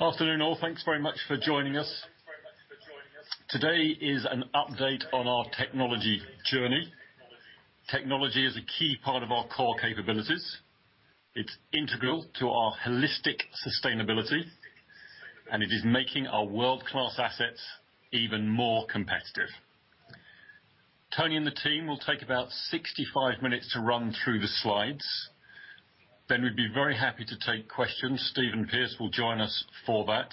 Afternoon, all. Thanks very much for joining us. Today is an update on our technology journey. Technology is a key part of our core capabilities. It's integral to our holistic sustainability, and it is making our world-class assets even more competitive. Tony and the team will take about 65 minutes to run through the slides. We'd be very happy to take questions. Stephen Pearce will join us for that.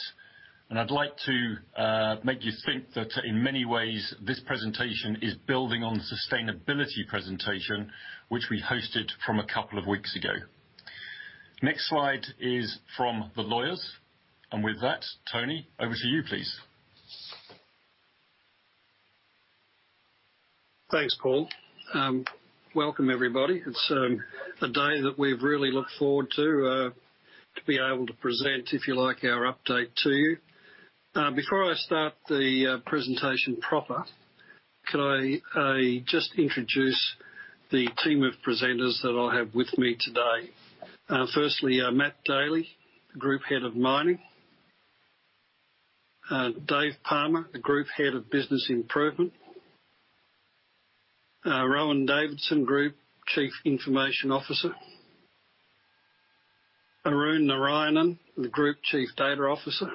I'd like to make you think that in many ways, this presentation is building on the sustainability presentation, which we hosted from a couple of weeks ago. Next slide is from the lawyers. With that, Tony, over to you, please. Thanks, Paul. Welcome everybody. It's a day that we've really looked forward to be able to present, if you like, our update to you. Before I start the presentation proper, could I just introduce the team of presenters that I have with me today. Firstly, Matt Daley, the Group Head of Mining. Dave Palmer, the Group Head of Business Improvement. Rohan Davidson, Group Chief Information Officer. Arun Narayanan, the Group Chief Data Officer.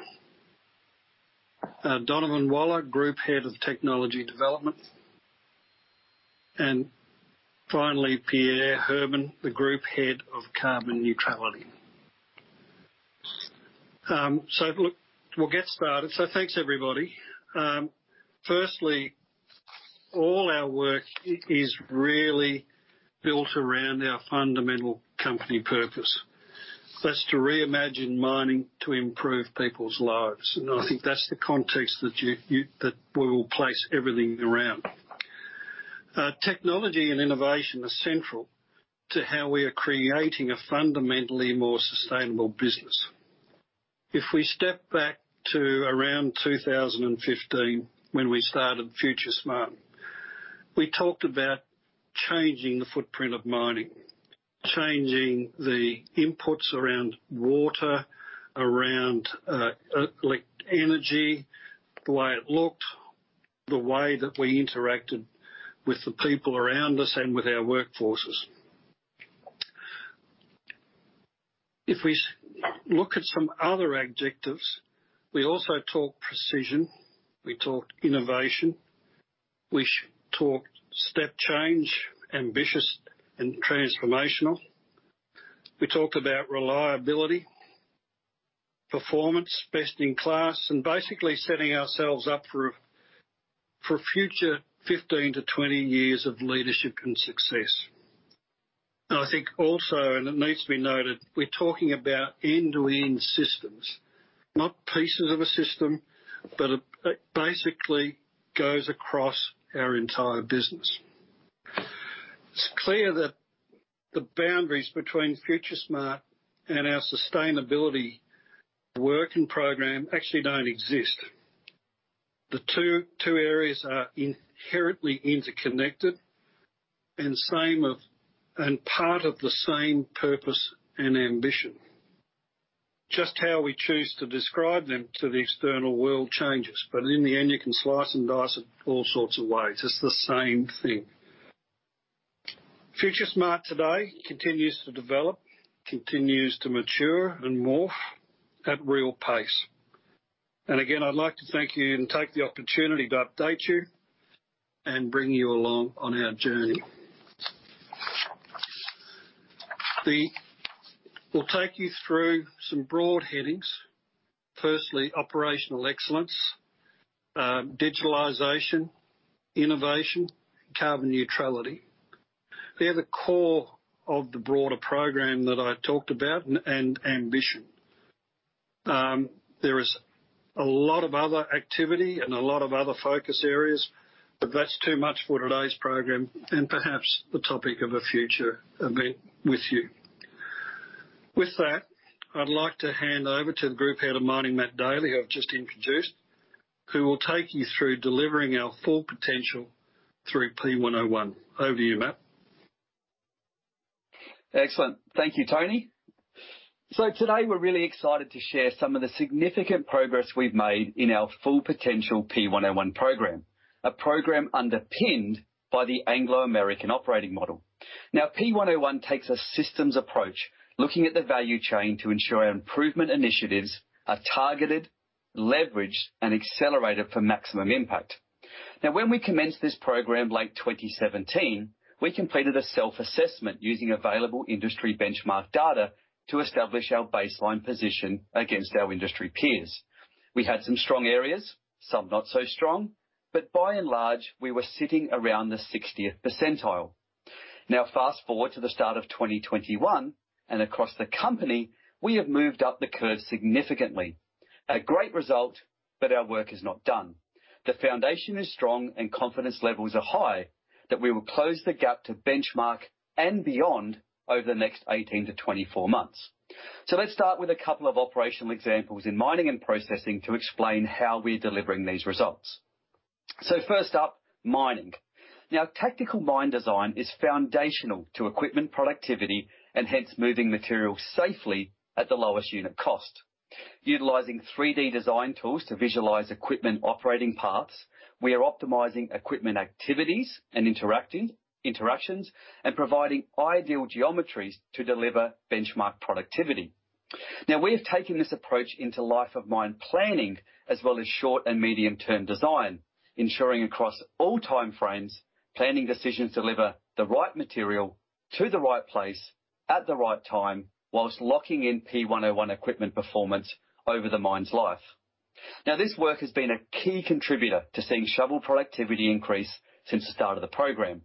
Donovan Waller, Group Head of Technology Development. Finally, Pierre Herben, the Group Head of Carbon Neutrality. Look, we'll get started. Thanks everybody. Firstly, all our work is really built around our fundamental company purpose. That's to Reimagine Mining to Improve People's Lives. I think that's the context that we will place everything around. Technology and innovation are central to how we are creating a fundamentally more sustainable business. If we step back to around 2015 when we started FutureSmart, we talked about changing the footprint of mining. Changing the inputs around water, around energy, the way it looked, the way that we interacted with the people around us and with our workforces. If we look at some other adjectives, we also talked precision, we talked innovation, we talked step change, ambitious and transformational. We talked about reliability, performance, best in class, and basically setting ourselves up for future 15-20 years of leadership and success. I think also, and it needs to be noted, we're talking about end-to-end systems. Not pieces of a system, it basically goes across our entire business. It's clear that the boundaries between FutureSmart and our sustainability work and program actually don't exist. The two areas are inherently interconnected and part of the same purpose and ambition. Just how we choose to describe them to the external world changes. In the end, you can slice and dice it all sorts of ways. It's the same thing. FutureSmart today continues to develop, continues to mature and morph at real pace. Again, I'd like to thank you and take the opportunity to update you and bring you along on our journey. We'll take you through some broad headings. Firstly, operational excellence, digitalization, innovation, carbon neutrality. They're the core of the broader program that I talked about and ambition. There is a lot of other activity and a lot of other focus areas, but that's too much for today's program and perhaps the topic of a future event with you. With that, I'd like to hand over to the Group Head of Mining, Matt Daley, who I've just introduced, who will take you through delivering our full potential through P101. Over to you, Matt. Excellent. Thank you, Tony. Today, we're really excited to share some of the significant progress we've made in our full potential P101 program, a program underpinned by the Anglo American Operating Model. P101 takes a systems approach, looking at the value chain to ensure our improvement initiatives are targeted, leveraged, and accelerated for maximum impact. When we commenced this program late 2017, we completed a self-assessment using available industry benchmark data to establish our baseline position against our industry peers. We had some strong areas, some not so strong, but by and large, we were sitting around the 60th percentile. Fast-forward to the start of 2021, across the company, we have moved up the curve significantly. A great result, our work is not done. The foundation is strong and confidence levels are high that we will close the gap to benchmark and beyond over the next 18-24 months. Let's start with a couple of operational examples in mining and processing to explain how we're delivering these results. First up, mining. Tactical mine design is foundational to equipment productivity, and hence moving material safely at the lowest unit cost. Utilizing 3D design tools to visualize equipment operating paths, we are optimizing equipment activities and interactions, and providing ideal geometries to deliver benchmark productivity. We have taken this approach into life of mine planning, as well as short and medium-term design, ensuring across all time frames, planning decisions deliver the right material to the right place at the right time, whilst locking in P101 equipment performance over the mine's life. This work has been a key contributor to seeing shovel productivity increase since the start of the program.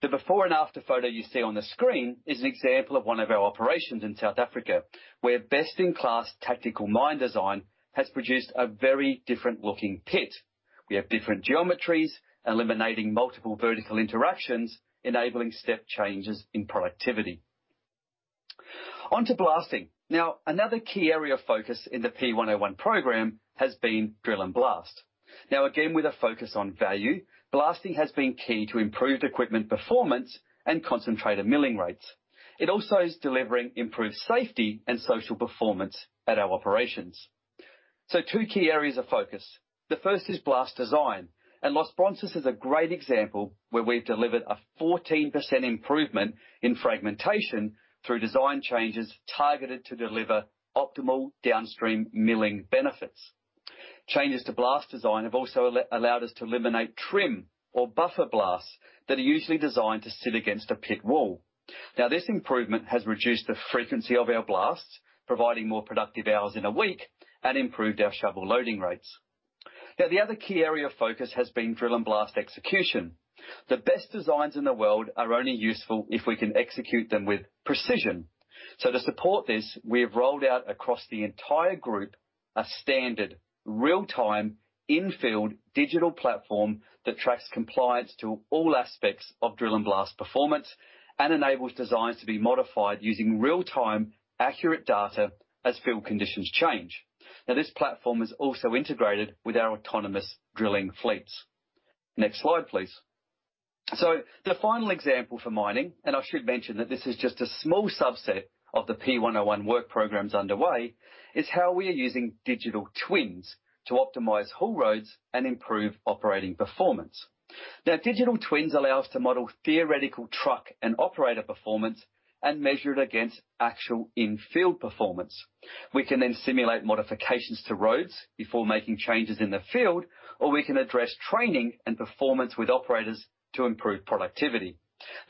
The before and after photo you see on the screen is an example of one of our operations in South Africa, where best-in-class tactical mine design has produced a very different looking pit. We have different geometries, eliminating multiple vertical interactions, enabling step changes in productivity. On to blasting. Another key area of focus in the P101 program has been drill and blast. Again, with a focus on value, blasting has been key to improved equipment performance and concentrator milling rates. It also is delivering improved safety and social performance at our operations. Two key areas of focus. The first is blast design, and Los Bronces is a great example where we've delivered a 14% improvement in fragmentation through design changes targeted to deliver optimal downstream milling benefits. Changes to blast design have also allowed us to eliminate trim or buffer blasts that are usually designed to sit against a pit wall. This improvement has reduced the frequency of our blasts, providing more productive hours in a week, and improved our shovel loading rates. The other key area of focus has been drill and blast execution. The best designs in the world are only useful if we can execute them with precision. To support this, we have rolled out across the entire group a standard real-time in-field digital platform that tracks compliance to all aspects of drill and blast performance, and enables designs to be modified using real-time accurate data as field conditions change. This platform is also integrated with our autonomous drilling fleets. Next slide, please. The final example for mining, and I should mention that this is just a small subset of the P101 work programs underway, is how we are using digital twins to optimize haul roads and improve operating performance. Digital twins allow us to model theoretical truck and operator performance and measure it against actual in-field performance. We can then simulate modifications to roads before making changes in the field, or we can address training and performance with operators to improve productivity.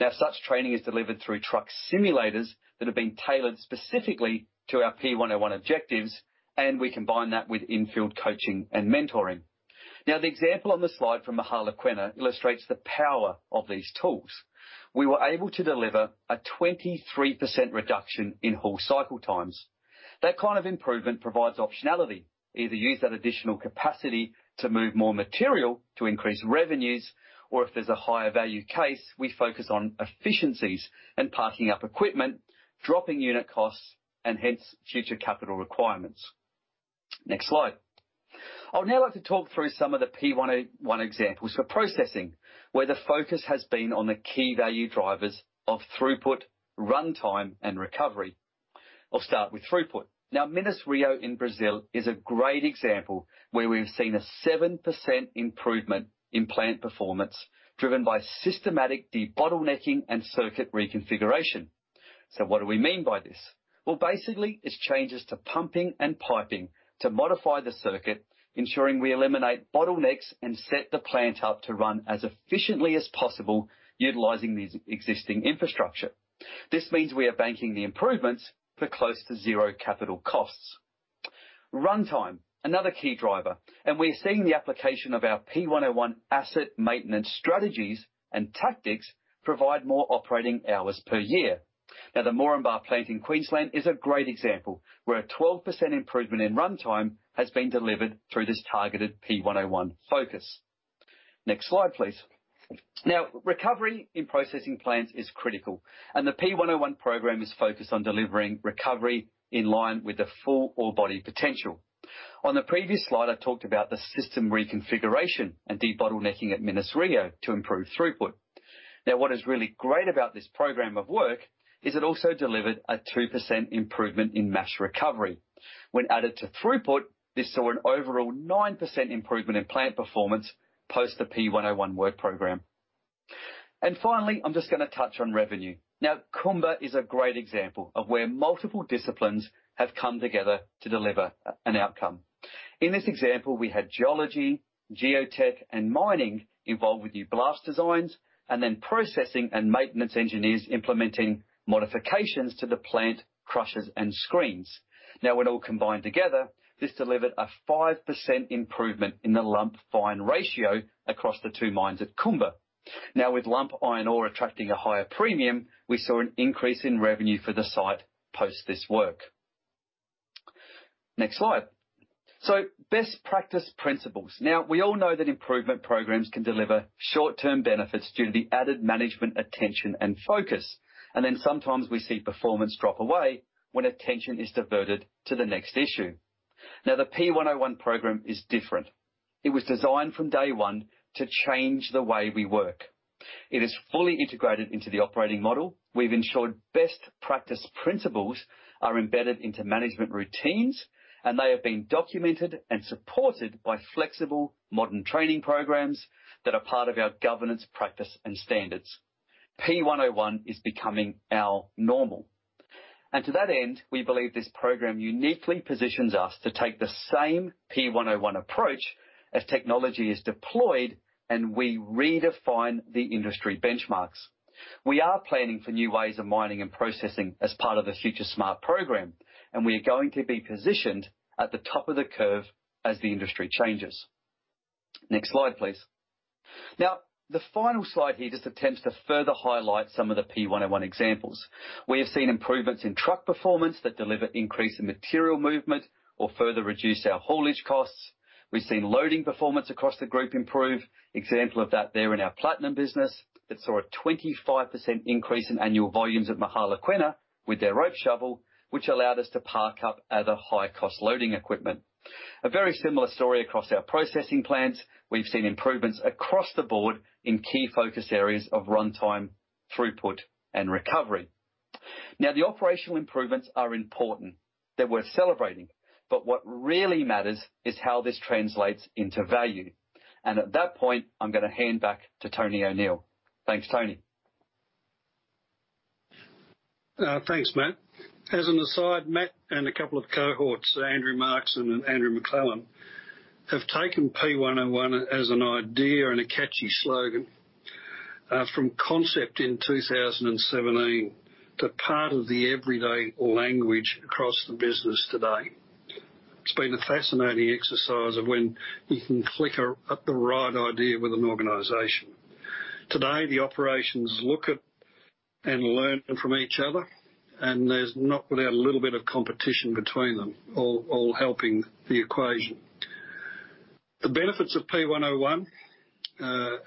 Such training is delivered through truck simulators that have been tailored specifically to our P101 objectives, and we combine that with in-field coaching and mentoring. The example on the slide from Mogalakwena illustrates the power of these tools. We were able to deliver a 23% reduction in haul cycle times. That kind of improvement provides optionality, either use that additional capacity to move more material to increase revenues, or if there's a higher value case, we focus on efficiencies and parking up equipment, dropping unit costs, and hence future capital requirements. Next slide. I would now like to talk through some of the P101 examples for processing, where the focus has been on the key value drivers of throughput, runtime, and recovery. I'll start with throughput. Minas Rio in Brazil is a great example where we've seen a 7% improvement in plant performance, driven by systematic debottlenecking and circuit reconfiguration. What do we mean by this? Well, basically, it's changes to pumping and piping to modify the circuit, ensuring we eliminate bottlenecks and set the plant up to run as efficiently as possible, utilizing the existing infrastructure. This means we are banking the improvements for close to zero capital costs. Runtime, another key driver, and we are seeing the application of our P101 asset maintenance strategies and tactics provide more operating hours per year. The Moranbah plant in Queensland is a great example where a 12% improvement in runtime has been delivered through this targeted P101 focus. Next slide, please. Recovery in processing plants is critical, and the P101 program is focused on delivering recovery in line with the full ore body potential. On the previous slide, I talked about the system reconfiguration and debottlenecking at Minas-Rio to improve throughput. What is really great about this program of work is it also delivered a 2% improvement in mass recovery. When added to throughput, this saw an overall 9% improvement in plant performance post the P101 work program. Finally, I'm just going to touch on revenue. Kumba is a great example of where multiple disciplines have come together to deliver an outcome. In this example, we had geology, geotech, and mining involved with new blast designs, and then processing and maintenance engineers implementing modifications to the plant, crushers, and screens. When all combined together, this delivered a 5% improvement in the lump:fine ratio across the two mines at Kumba. With lump iron ore attracting a higher premium, we saw an increase in revenue for the site post this work. Next slide. Best practice principles. We all know that improvement programs can deliver short-term benefits due to the added management attention and focus. Sometimes we see performance drop away when attention is diverted to the next issue. The P101 program is different. It was designed from day one to change the way we work. It is fully integrated into the Operating Model. We've ensured best practice principles are embedded into management routines, and they have been documented and supported by flexible modern training programs that are part of our governance practice and standards. P101 is becoming our normal. To that end, we believe this program uniquely positions us to take the same P101 approach as technology is deployed and we redefine the industry benchmarks. We are planning for new ways of mining and processing as part of the FutureSmart Mining, and we are going to be positioned at the top of the curve as the industry changes. Next slide, please. The final slide here just attempts to further highlight some of the P101 examples. We have seen improvements in truck performance that deliver increase in material movement or further reduce our haulage costs. We've seen loading performance across the group improve. Example of that there in our platinum business that saw a 25% increase in annual volumes at Mogalakwena with their rope shovel, which allowed us to park up other high-cost loading equipment. A very similar story across our processing plants. We've seen improvements across the board in key focus areas of runtime, throughput, and recovery. The operational improvements are important. They're worth celebrating. What really matters is how this translates into value. At that point, I'm going to hand back to Tony O'Neill. Thanks, Tony. Thanks, Matt. As an aside, Matt and a couple of cohorts, Andrew Marks and Andrew McClellan, have taken P101 as an idea and a catchy slogan, from concept in 2017 to part of the everyday language across the business today. It's been a fascinating exercise of when you can click at the right idea with an organization. Today, the operations look at and learn from each other, and there's not without a little bit of competition between them, all helping the equation. The benefits of P101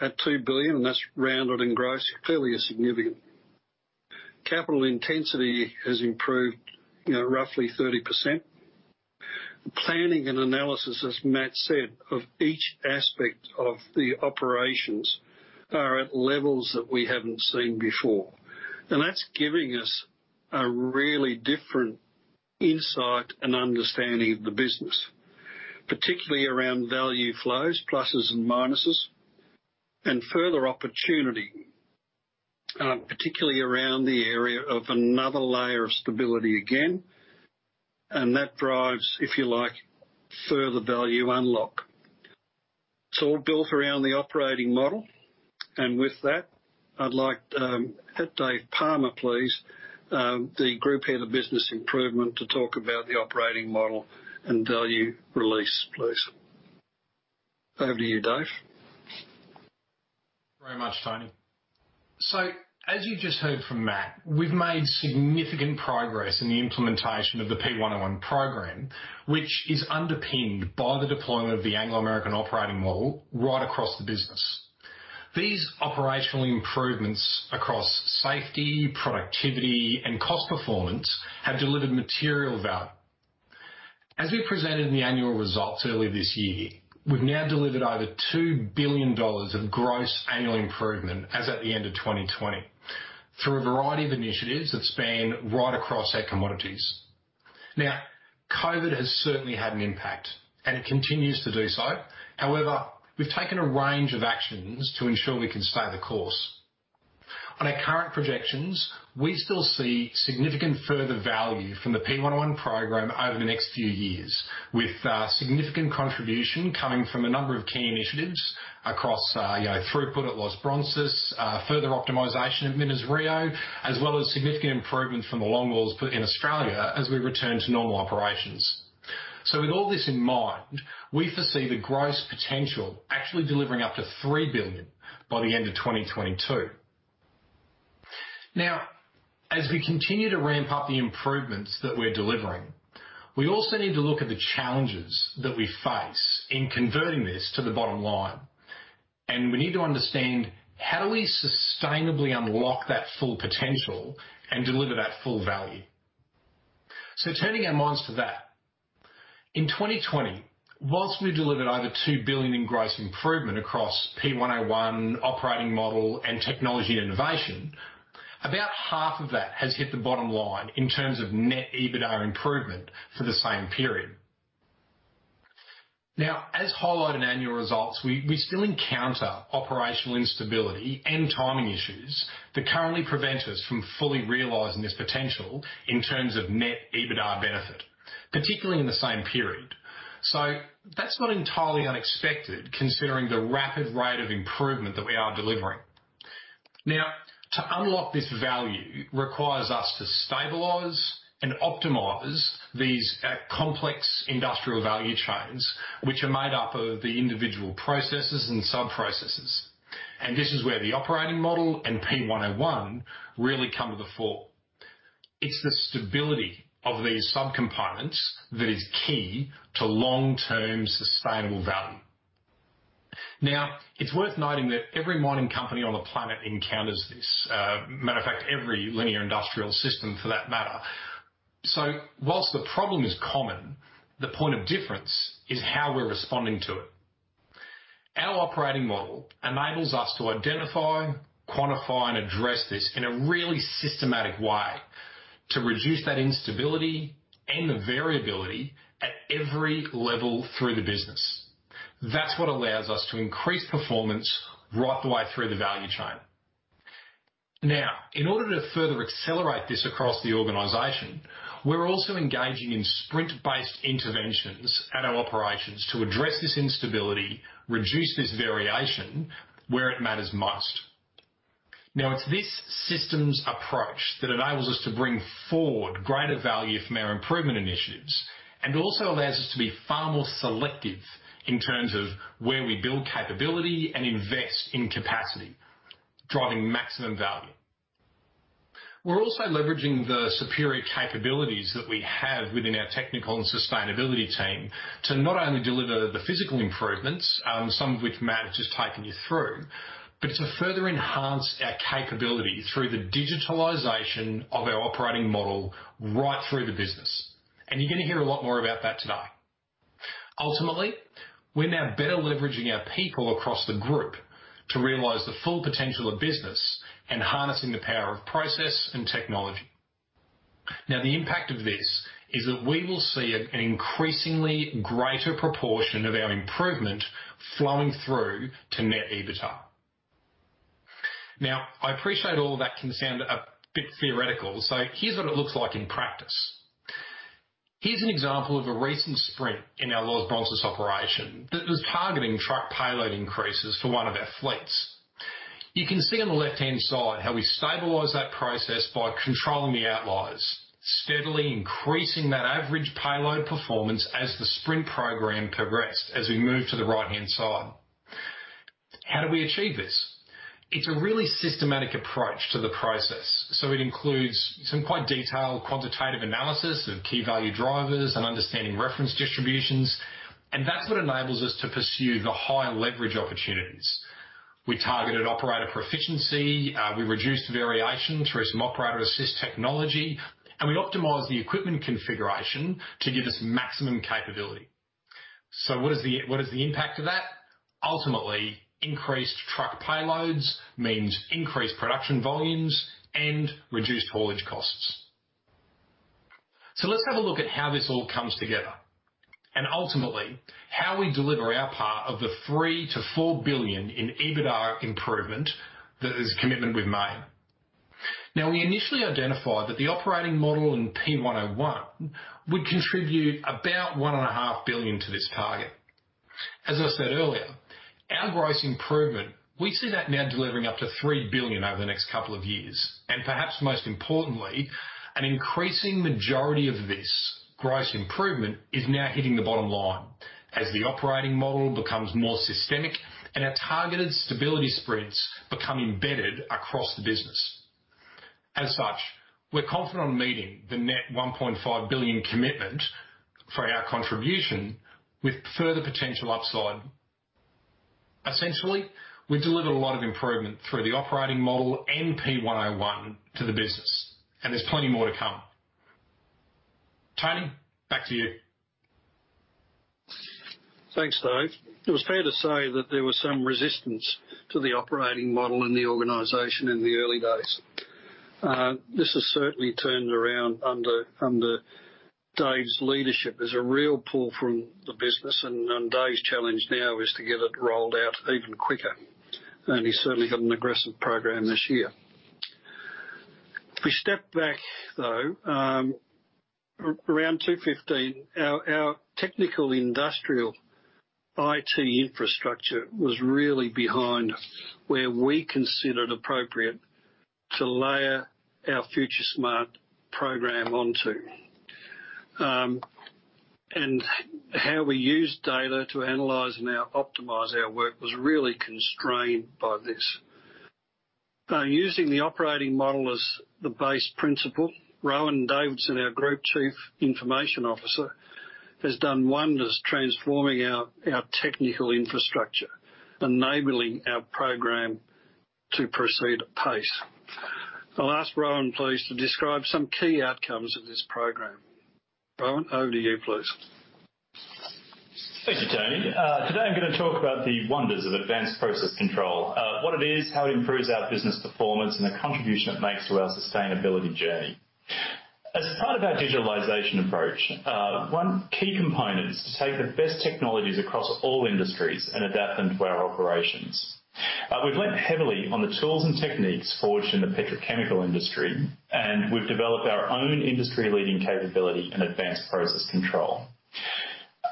at $2 billion, and that's rounded and gross, clearly is significant. Capital intensity has improved roughly 30%. Planning and analysis, as Matt said, of each aspect of the operations are at levels that we haven't seen before. That's giving us a really different insight and understanding of the business, particularly around value flows, plusses and minuses, and further opportunity, particularly around the area of another layer of stability again. That drives, if you like, further value unlock. It's all built around the Operating Model. With that, I'd like Dave Palmer, please, the Group Head of Business Improvement, to talk about the Operating Model and value release, please. Over to you, Dave. Very much, Tony. As you just heard from Matt, we've made significant progress in the implementation of the P101 program, which is underpinned by the deployment of the Anglo American Operating Model right across the business. These operational improvements across safety, productivity, and cost performance have delivered material value. As we presented in the annual results earlier this year, we've now delivered over $2 billion of gross annual improvement as at the end of 2020 through a variety of initiatives that span right across our commodities. COVID has certainly had an impact, and it continues to do so. However, we've taken a range of actions to ensure we can stay the course. On our current projections, we still see significant further value from the P101 program over the next few years, with significant contribution coming from a number of key initiatives across throughput at Los Bronces, further optimization at Minas-Rio, as well as significant improvements from the longwall pits in Australia as we return to normal operations. With all this in mind, we foresee the gross potential actually delivering up to $3 billion by the end of 2022. Now, as we continue to ramp up the improvements that we're delivering, we also need to look at the challenges that we face in converting this to the bottom line. We need to understand how do we sustainably unlock that full potential and deliver that full value. Turning our minds to that. In 2020, whilst we delivered over $2 billion in gross improvement across P101 Operating Model and technology and innovation, about half of that has hit the bottom line in terms of net EBITDA improvement for the same period. Now, as highlighted in annual results, we still encounter operational instability and timing issues that currently prevent us from fully realizing this potential in terms of net EBITDA benefit, particularly in the same period. That's not entirely unexpected, considering the rapid rate of improvement that we are delivering. Now, to unlock this value requires us to stabilize and optimize these complex industrial value chains, which are made up of the individual processes and sub-processes. This is where the Operating Model and P101 really come to the fore. It's the stability of these sub-components that is key to long-term sustainable value. It's worth noting that every mining company on the planet encounters this. Matter of fact, every linear industrial system, for that matter. Whilst the problem is common, the point of difference is how we're responding to it. Our Operating Model enables us to identify, quantify, and address this in a really systematic way to reduce that instability and the variability at every level through the business. That's what allows us to increase performance right the way through the value chain. In order to further accelerate this across the organization, we're also engaging in sprint-based interventions at our operations to address this instability, reduce this variation where it matters most. It's this systems approach that enables us to bring forward greater value from our improvement initiatives, and also allows us to be far more selective in terms of where we build capability and invest in capacity, driving maximum value. We're also leveraging the superior capabilities that we have within our technical and sustainability team to not only deliver the physical improvements, some of which Matt Daley has just taken you through, but to further enhance our capability through the digitalization of our Operating Model right through the business. You're going to hear a lot more about that today. Ultimately, we're now better leveraging our people across the group to realize the full potential of business and harnessing the power of process and technology. The impact of this is that we will see an increasingly greater proportion of our improvement flowing through to net EBITDA. I appreciate all of that can sound a bit theoretical, here's what it looks like in practice. Here's an example of a recent sprint in our Los Bronces operation that was targeting truck payload increases for one of our fleets. You can see on the left-hand side how we stabilize that process by controlling the outliers, steadily increasing that average payload performance as the sprint program progressed as we move to the right-hand side. How do we achieve this? It's a really systematic approach to the process. It includes some quite detailed quantitative analysis of key value drivers and understanding reference distributions, that's what enables us to pursue the high leverage opportunities. We targeted operator proficiency, we reduced variation through some operator assist technology, and we optimized the equipment configuration to give us maximum capability. What is the impact of that? Ultimately, increased truck payloads means increased production volumes and reduced haulage costs. Let's have a look at how this all comes together, and ultimately, how we deliver our part of the $3 billion-$4 billion in EBITDA improvement that is commitment we've made. We initially identified that the Operating Model in P101 would contribute about $1.5 billion to this target. As I said earlier, our gross improvement, we see that now delivering up to $3 billion over the next couple of years. Perhaps most importantly, an increasing majority of this gross improvement is now hitting the bottom line as the Operating Model becomes more systemic and our targeted stability sprints become embedded across the business. As such, we're confident on meeting the net $1.5 billion commitment for our contribution with further potential upside. Essentially, we've delivered a lot of improvement through the Operating Model and P101 to the business, and there's plenty more to come. Tony, back to you. Thanks, Dave. It was fair to say that there was some resistance to the Operating Model in the organization in the early days. This has certainly turned around under Dave's leadership. There's a real pull from the business. Dave's challenge now is to get it rolled out even quicker. He's certainly got an aggressive program this year. If we step back, though, around 2015, our technical industrial IT infrastructure was really behind where we considered appropriate to layer our FutureSmart program onto. How we used data to analyze and now optimize our work was really constrained by this. By using the Operating Model as the base principle, Rohan Davidson, our Group Chief Information Officer, has done wonders transforming our technical infrastructure, enabling our program to proceed at pace. I'll ask Rohan please to describe some key outcomes of this program. Rohan, over to you, please. Thank you, Tony. Today I'm going to talk about the wonders of advanced process control, what it is, how it improves our business performance, and the contribution it makes to our sustainability journey. As part of our digitalization approach, one key component is to take the best technologies across all industries and adapt them to our operations. We've leaned heavily on the tools and techniques forged in the petrochemical industry. We've developed our own industry-leading capability in advanced process control.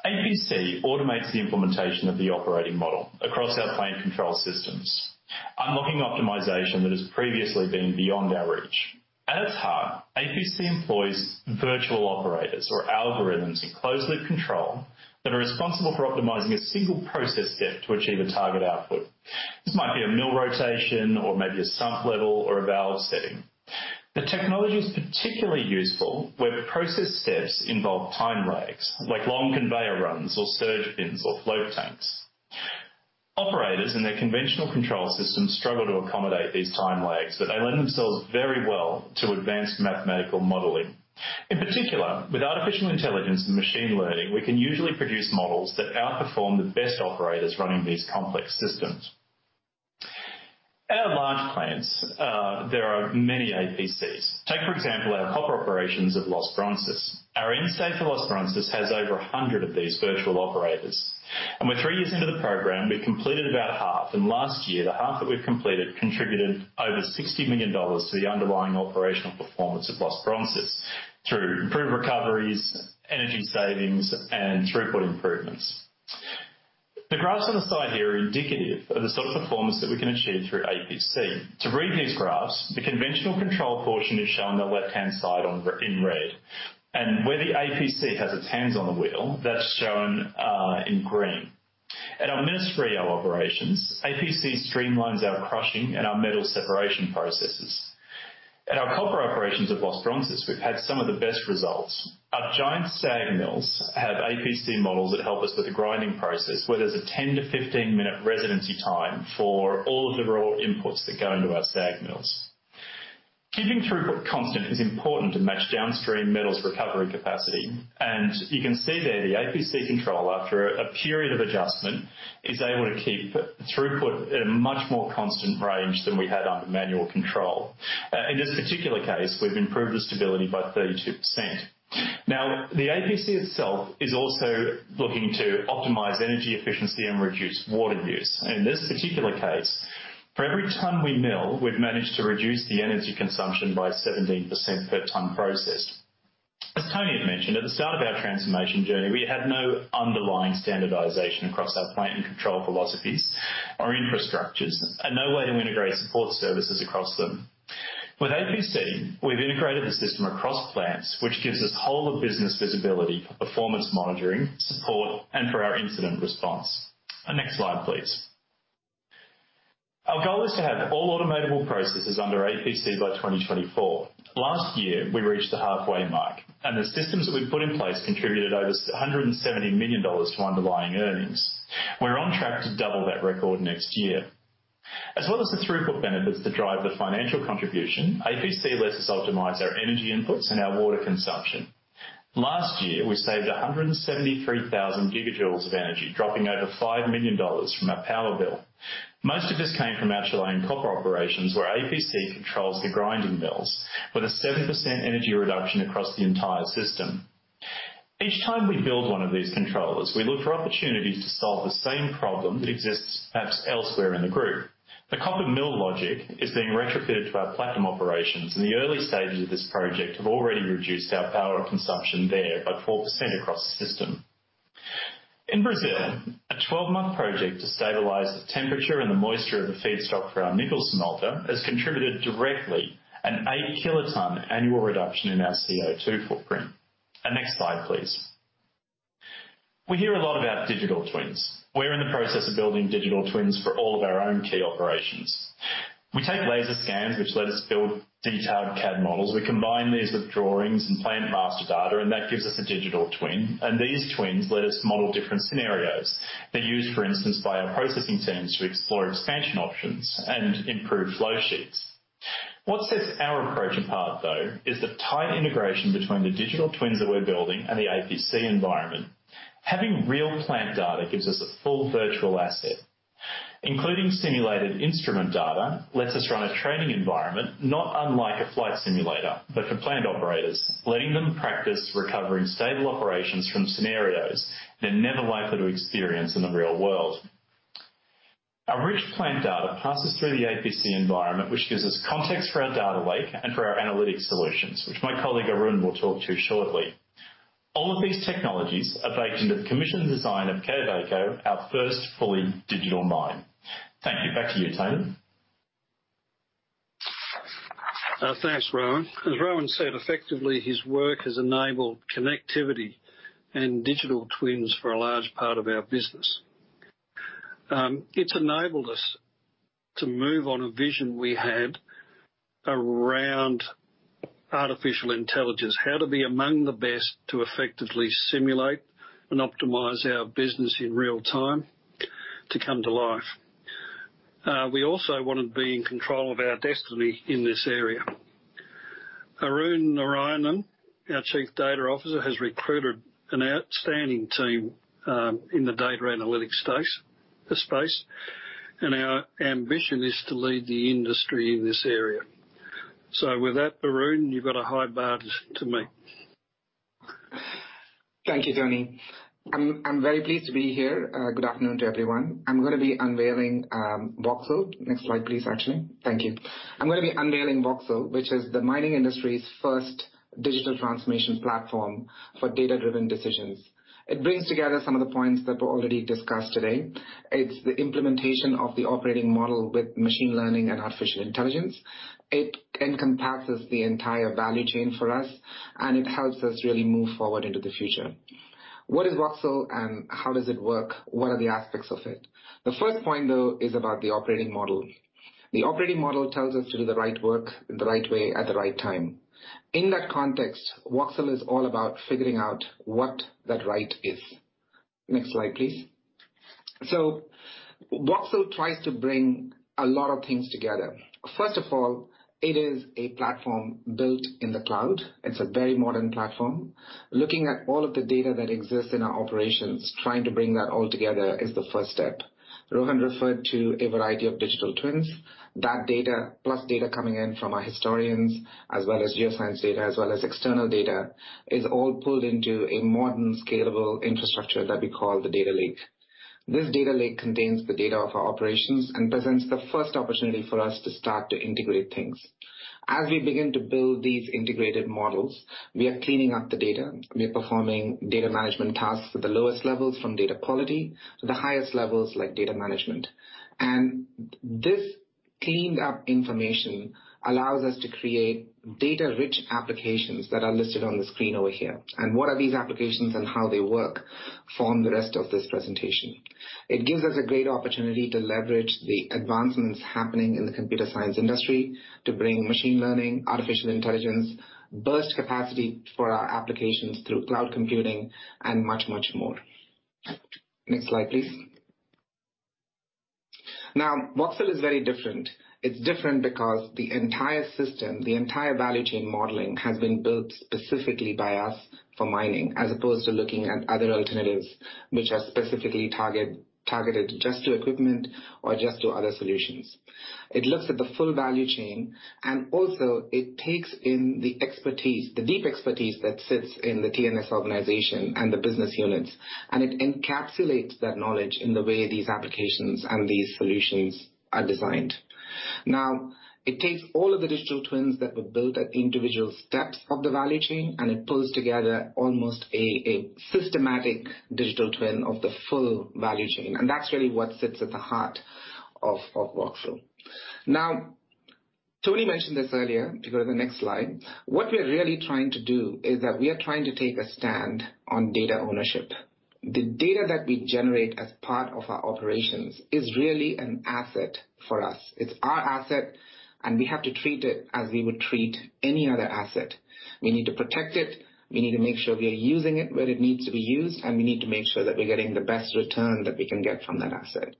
APC automates the implementation of the Operating Model across our plant control systems, unlocking optimization that has previously been beyond our reach. At its heart, APC employs virtual operators or algorithms in closed loop control that are responsible for optimizing a single process step to achieve a target output. This might be a mill rotation or maybe a sump level or a valve setting. The technology is particularly useful where process steps involve time lags, like long conveyor runs or surge bins or float tanks. Operators in their conventional control systems struggle to accommodate these time lags, but they lend themselves very well to advanced mathematical modeling. In particular, with artificial intelligence and machine learning, we can usually produce models that outperform the best operators running these complex systems. At our large plants, there are many APCs. Take, for example, our copper operations at Los Bronces. Our end-state for Los Bronces has over 100 of these virtual operators. We're three years into the program, we've completed about half. Last year, the half that we've completed contributed over $60 million to the underlying operational performance of Los Bronces through improved recoveries, energy savings, and throughput improvements. The graphs on the side here are indicative of the sort of performance that we can achieve through APC. To read these graphs, the conventional control portion is shown on the left-hand side in red. Where the APC has its hands on the wheel, that's shown in green. At our Minas-Rio operations, APC streamlines our crushing and our metal separation processes. At our copper operations at Los Bronces, we've had some of the best results. Our giant SAG mills have APC models that help us with the grinding process, where there's a 10-15-minute residency time for all of the raw inputs that go into our SAG mills. Keeping throughput constant is important to match downstream metals recovery capacity. You can see there, the APC controller, after a period of adjustment, is able to keep throughput at a much more constant range than we had under manual control. In this particular case, we've improved the stability by 32%. The APC itself is also looking to optimize energy efficiency and reduce water use. In this particular case, for every ton we mill, we've managed to reduce the energy consumption by 17% per ton processed. As Tony had mentioned, at the start of our transformation journey, we had no underlying standardization across our plant and control philosophies or infrastructures, and no way to integrate support services across them. With APC, we've integrated the system across plants, which gives us whole of business visibility for performance monitoring, support, and for our incident response. Next slide, please. Our goal is to have all automatable processes under APC by 2024. Last year, we reached the halfway mark. The systems that we've put in place contributed over $170 million to underlying earnings. We're on track to double that record next year. As well as the throughput benefits that drive the financial contribution, APC lets us optimize our energy inputs and our water consumption. Last year, we saved 173,000 GJ of energy, dropping over $5 million from our power bill. Most of this came from our Chilean copper operations, where APC controls the grinding mills with a 7% energy reduction across the entire system. Each time we build one of these controllers, we look for opportunities to solve the same problem that exists perhaps elsewhere in the group. The copper mill logic is being retrofitted to our platinum operations. The early stages of this project have already reduced our power consumption there by 4% across the system. In Brazil, a 12-month project to stabilize the temperature and the moisture of the feedstock for our nickel smelter has contributed directly an eight-kiloton annual reduction in our CO2 footprint. Next slide, please. We hear a lot about digital twins. We're in the process of building digital twins for all of our own key operations. We take laser scans, which let us build detailed CAD models. We combine these with drawings and plant master data, and that gives us a digital twin. These twins let us model different scenarios. They're used, for instance, by our processing teams to explore expansion options and improve flow sheets. What sets our approach apart, though, is the tight integration between the digital twins that we're building and the APC environment. Having real plant data gives us a full virtual asset. Including simulated instrument data lets us run a training environment, not unlike a flight simulator, but for plant operators, letting them practice recovering stable operations from scenarios they're never likely to experience in the real world. Our rich plant data passes through the APC environment, which gives us context for our data lake and for our analytics solutions, which my colleague Arun will talk to shortly. All of these technologies are baked into the commission design of Quellaveco, our first fully digital mine. Thank you. Back to you, Tony. Thanks, Rohan. As Rohan said, effectively, his work has enabled connectivity and digital twins for a large part of our business. It's enabled us to move on a vision we had around artificial intelligence, how to be among the best to effectively simulate and optimize our business in real time to come to life. We also want to be in control of our destiny in this area. Arun Narayanan, our Group Chief Data Officer, has recruited an outstanding team in the data analytics space. Our ambition is to lead the industry in this area. With that, Arun, you've got a high bar to meet. Thank you, Tony. I'm very pleased to be here. Good afternoon to everyone. I'm going to be unveiling Voxel. Next slide, please, actually. Thank you. I'm going to be unveiling Voxel, which is the mining industry's first digital transformation platform for data-driven decisions. It brings together some of the points that were already discussed today. It's the implementation of the Operating Model with machine learning and artificial intelligence. It encompasses the entire value chain for us, and it helps us really move forward into the future. What is Voxel and how does it work? What are the aspects of it? The first point, though, is about the Operating Model. The Operating Model tells us to do the right work in the right way at the right time. In that context, Voxel is all about figuring out what that right is. Next slide, please. Voxel tries to bring a lot of things together. First of all, it is a platform built in the cloud. It's a very modern platform. Looking at all of the data that exists in our operations, trying to bring that all together is the first step. Rohan referred to a variety of digital twins. That data, plus data coming in from our historians, as well as geoscience data, as well as external data, is all pulled into a modern, scalable infrastructure that we call the data lake. This data lake contains the data of our operations and presents the first opportunity for us to start to integrate things. As we begin to build these integrated models, we are cleaning up the data. We are performing data management tasks at the lowest levels from data quality to the highest levels like data management. This cleaned-up information allows us to create data-rich applications that are listed on the screen over here. What are these applications and how they work form the rest of this presentation. It gives us a great opportunity to leverage the advancements happening in the computer science industry to bring machine learning, artificial intelligence, burst capacity for our applications through cloud computing, and much, much more. Next slide, please. Now, Voxel is very different. It's different because the entire system, the entire value chain modeling, has been built specifically by us for mining, as opposed to looking at other alternatives which are specifically targeted just to equipment or just to other solutions. It looks at the full value chain, also it takes in the expertise, the deep expertise that sits in the T&S organization and the business units, and it encapsulates that knowledge in the way these applications and these solutions are designed. It takes all of the digital twins that were built at the individual steps of the value chain, and it pulls together almost a systematic digital twin of the full value chain. That's really what sits at the heart of Voxel. Tony mentioned this earlier. If you go to the next slide. What we're really trying to do is that we are trying to take a stand on data ownership. The data that we generate as part of our operations is really an asset for us. It's our asset, and we have to treat it as we would treat any other asset. We need to protect it. We need to make sure we are using it where it needs to be used, and we need to make sure that we're getting the best return that we can get from that asset.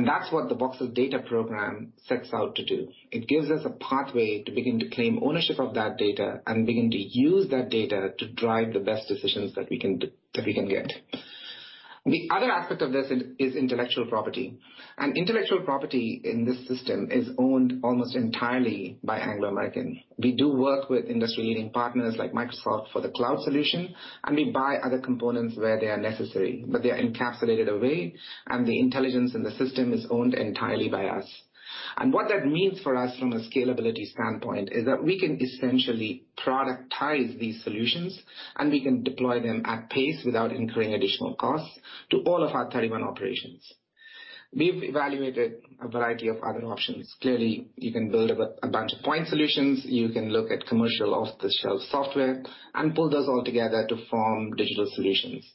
That's what the Voxel data program sets out to do. It gives us a pathway to begin to claim ownership of that data and begin to use that data to drive the best decisions that we can get. The other aspect of this is intellectual property. Intellectual property in this system is owned almost entirely by Anglo American. We do work with industry-leading partners like Microsoft for the cloud solution, and we buy other components where they are necessary, but they are encapsulated away, and the intelligence in the system is owned entirely by us. What that means for us from a scalability standpoint is that we can essentially productize these solutions, and we can deploy them at pace without incurring additional costs to all of our 31 operations. We've evaluated a variety of other options. Clearly, you can build a bunch of point solutions. You can look at commercial off-the-shelf software and pull those all together to form digital solutions.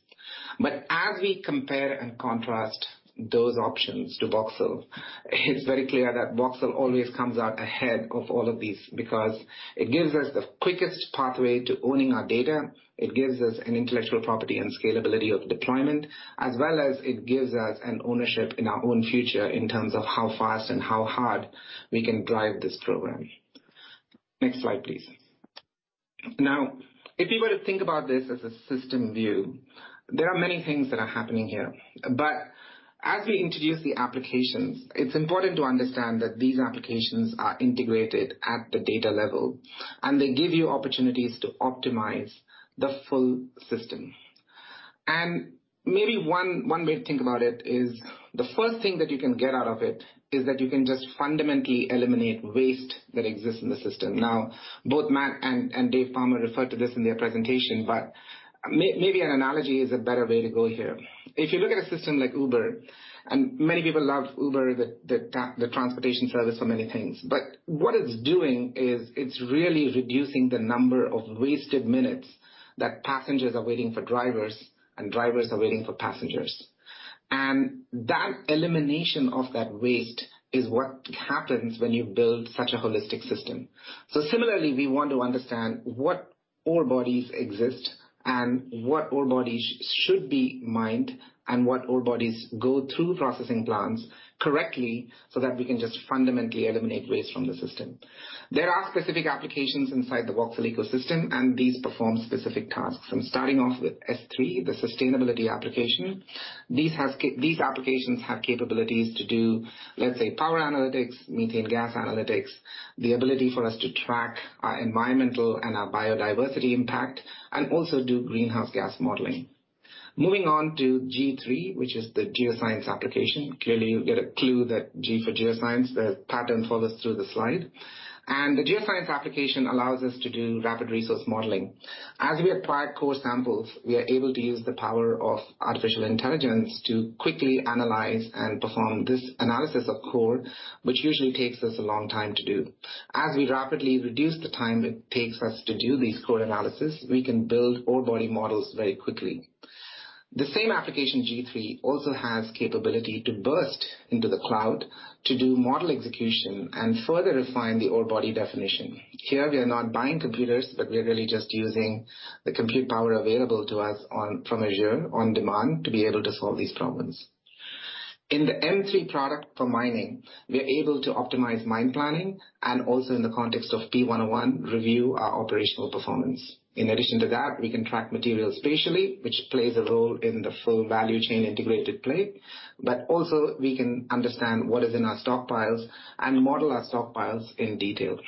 As we compare and contrast those options to Voxel, it's very clear that Voxel always comes out ahead of all of these because it gives us the quickest pathway to owning our data, it gives us an intellectual property and scalability of deployment, as well as it gives us an ownership in our own future in terms of how fast and how hard we can drive this program. Next slide, please. If you were to think about this as a system view, there are many things that are happening here. As we introduce the applications, it's important to understand that these applications are integrated at the data level, and they give you opportunities to optimize the full system. Maybe one way to think about it is the first thing that you can get out of it is that you can just fundamentally eliminate waste that exists in the system. Both Matt and Dave Palmer referred to this in their presentation, but maybe an analogy is a better way to go here. If you look at a system like Uber, and many people love Uber, the transportation service, for many things. What it's doing is it's really reducing the number of wasted minutes that passengers are waiting for drivers and drivers are waiting for passengers. That elimination of that waste is what happens when you build such a holistic system. Similarly, we want to understand what ore bodies exist and what ore bodies should be mined and what ore bodies go through processing plants correctly so that we can just fundamentally eliminate waste from the system. There are specific applications inside the Voxel ecosystem, and these perform specific tasks. From starting off with S3, the sustainability application, these applications have capabilities to do, let's say, power analytics, methane gas analytics, the ability for us to track our environmental and our biodiversity impact, and also do greenhouse gas modeling. Moving on to G3, which is the geoscience application. Clearly, you'll get a clue that G for geoscience, the pattern follows through the slide. The geoscience application allows us to do rapid resource modeling. As we acquire core samples, we are able to use the power of artificial intelligence to quickly analyze and perform this analysis of core, which usually takes us a long time to do. As we rapidly reduce the time it takes us to do these core analysis, we can build ore body models very quickly. The same application, G3, also has capability to burst into the cloud to do model execution and further refine the ore body definition. Here, we are not buying computers, but we are really just using the compute power available to us from Azure on-demand to be able to solve these problems. In the M3 product for mining, we are able to optimize mine planning and also in the context of P101, review our operational performance. In addition to that, we can track material spatially, which plays a role in the full value chain integrated play. Also, we can understand what is in our stockpiles and model our stockpiles in detail.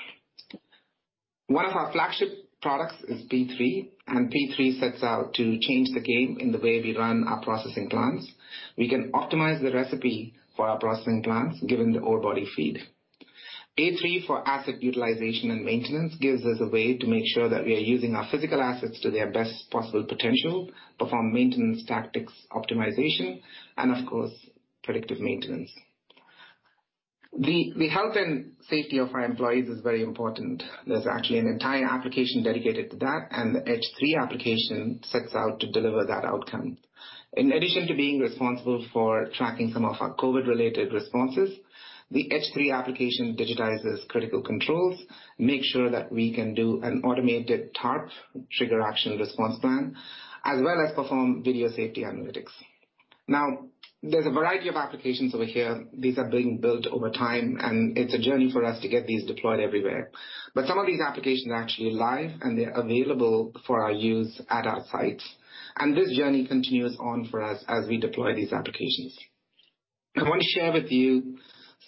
One of our flagship products is P3, and P3 sets out to change the game in the way we run our processing plants. We can optimize the recipe for our processing plants given the ore body feed. A3 for asset utilization and maintenance gives us a way to make sure that we are using our physical assets to their best possible potential, perform maintenance tactics optimization, and of course, predictive maintenance. The health and safety of our employees is very important. There's actually an entire application dedicated to that, and the H3 application sets out to deliver that outcome. In addition to being responsible for tracking some of our COVID-related responses, the H3 application digitizes critical controls, makes sure that we can do an automated TARP, Trigger Action Response Plan, as well as perform video safety analytics. There's a variety of applications over here. These are being built over time, and it's a journey for us to get these deployed everywhere. Some of these applications are actually live, and they're available for our use at our sites. This journey continues on for us as we deploy these applications. I want to share with you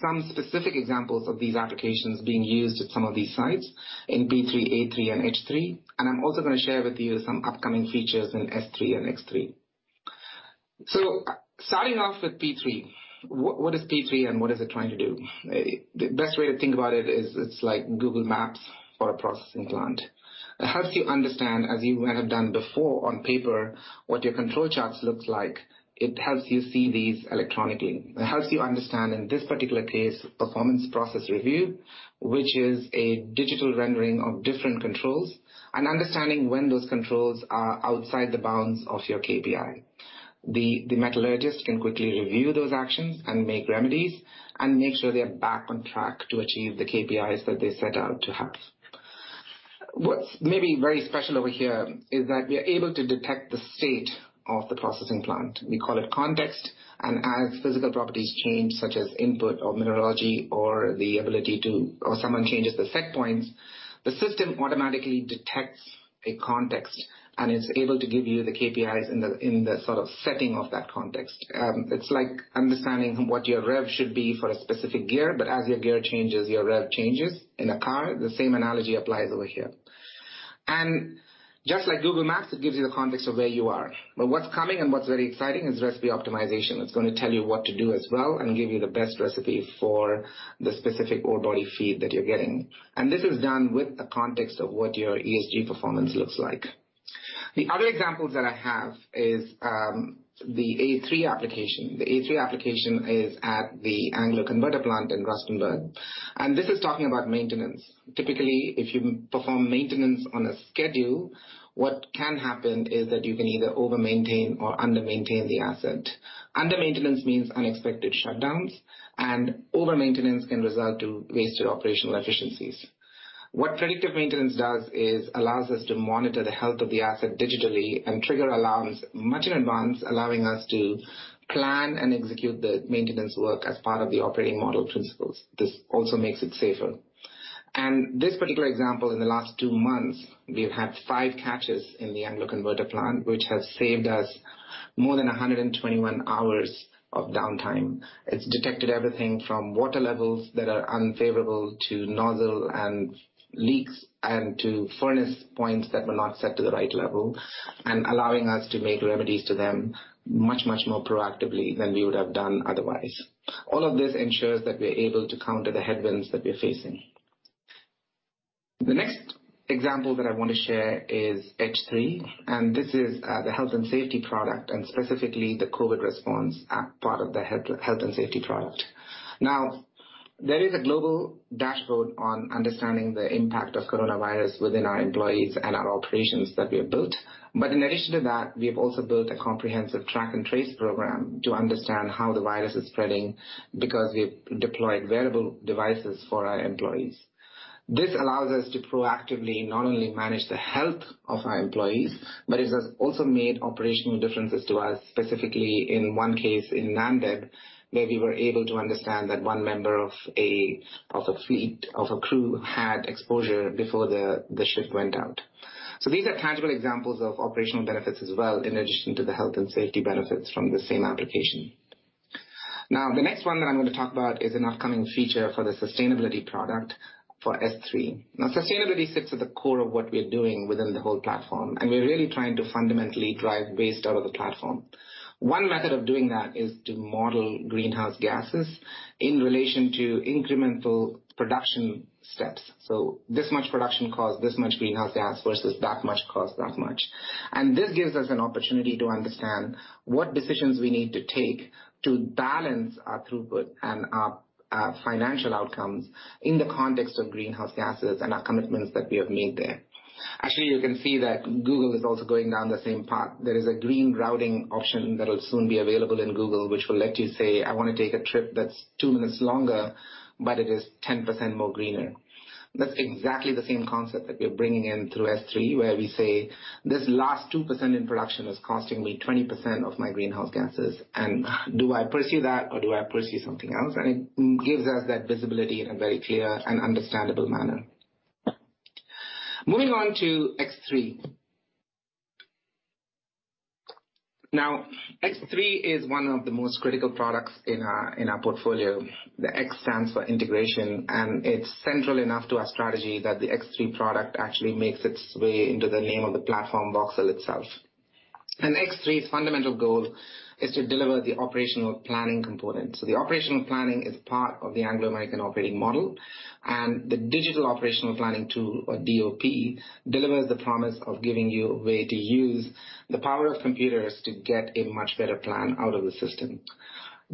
some specific examples of these applications being used at some of these sites in P3, A3, and H3, and I'm also going to share with you some upcoming features in S3 and X3. Starting off with P3, what is P3 and what is it trying to do? The best way to think about it is it's like Google Maps for a processing plant. It helps you understand, as you might have done before on paper, what your control charts looks like. It helps you see these electronically. It helps you understand, in this particular case, performance process review, which is a digital rendering of different controls, and understanding when those controls are outside the bounds of your KPI. The metallurgist can quickly review those actions and make remedies and make sure they are back on track to achieve the KPIs that they set out to have. What's maybe very special over here is that we are able to detect the state of the processing plant. We call it context. As physical properties change, such as input or mineralogy or someone changes the set points, the system automatically detects a context and is able to give you the KPIs in the sort of setting of that context. It's like understanding what your rev should be for a specific gear, but as your gear changes, your rev changes. In a car, the same analogy applies over here. Just like Google Maps, it gives you the context of where you are. What's coming and what's very exciting is recipe optimization. It's going to tell you what to do as well and give you the best recipe for the specific ore body feed that you're getting. This is done with the context of what your ESG performance looks like. The other examples that I have is the A3 application. The A3 application is at the Anglo Converter Plant in Rustenburg. This is talking about maintenance. Typically, if you perform maintenance on a schedule, what can happen is that you can either over-maintain or under-maintain the asset. Under-maintenance means unexpected shutdowns, and over-maintenance can result to wasted operational efficiencies. What predictive maintenance does is allows us to monitor the health of the asset digitally and trigger alarms much in advance, allowing us to plan and execute the maintenance work as part of the Operating Model principles. This also makes it safer. This particular example, in the last two months, we've had five catches in the Anglo Converter Plant, which has saved us more than 121 hours of downtime. It's detected everything from water levels that are unfavorable to nozzle and leaks and to furnace points that were not set to the right level, allowing us to make remedies to them much, much more proactively than we would have done otherwise. All of this ensures that we're able to counter the headwinds that we're facing. The next example that I want to share is H3, this is the health and safety product, specifically the COVID response part of the health and safety product. Now, there is a global dashboard on understanding the impact of coronavirus within our employees and our operations that we have built. In addition to that, we have also built a comprehensive track and trace program to understand how the virus is spreading because we've deployed wearable devices for our employees. This allows us to proactively not only manage the health of our employees, but it has also made operational differences to us, specifically in one case in Namdeb, where we were able to understand that one member of a crew had exposure before the ship went out. These are tangible examples of operational benefits as well, in addition to the health and safety benefits from the same application. The next one that I'm going to talk about is an upcoming feature for the sustainability product for S3. Sustainability sits at the core of what we are doing within the whole platform, and we're really trying to fundamentally drive waste out of the platform. One method of doing that is to model greenhouse gases in relation to incremental production steps. This much production caused this much greenhouse gas versus that much caused that much. This gives us an opportunity to understand what decisions we need to take to balance our throughput and our financial outcomes in the context of greenhouse gases and our commitments that we have made there. Actually, you can see that Google is also going down the same path. There is a green routing option that will soon be available in Google, which will let you say, "I want to take a trip that's two minutes longer, but it is 10% greener." That's exactly the same concept that we're bringing in through S3, where we say, "This last 2% in production is costing me 20% of my greenhouse gases. Do I pursue that or do I pursue something else?" It gives us that visibility in a very clear and understandable manner. Moving on to X3. Now X3 is one of the most critical products in our portfolio. The X stands for integration, and it's central enough to our strategy that the X3 product actually makes its way into the name of the platform Voxel itself. X3's fundamental goal is to deliver the operational planning component. The operational planning is part of the Anglo American Operating Model, and the Digital Operational Planning tool, or DOP, delivers the promise of giving you a way to use the power of computers to get a much better plan out of the system.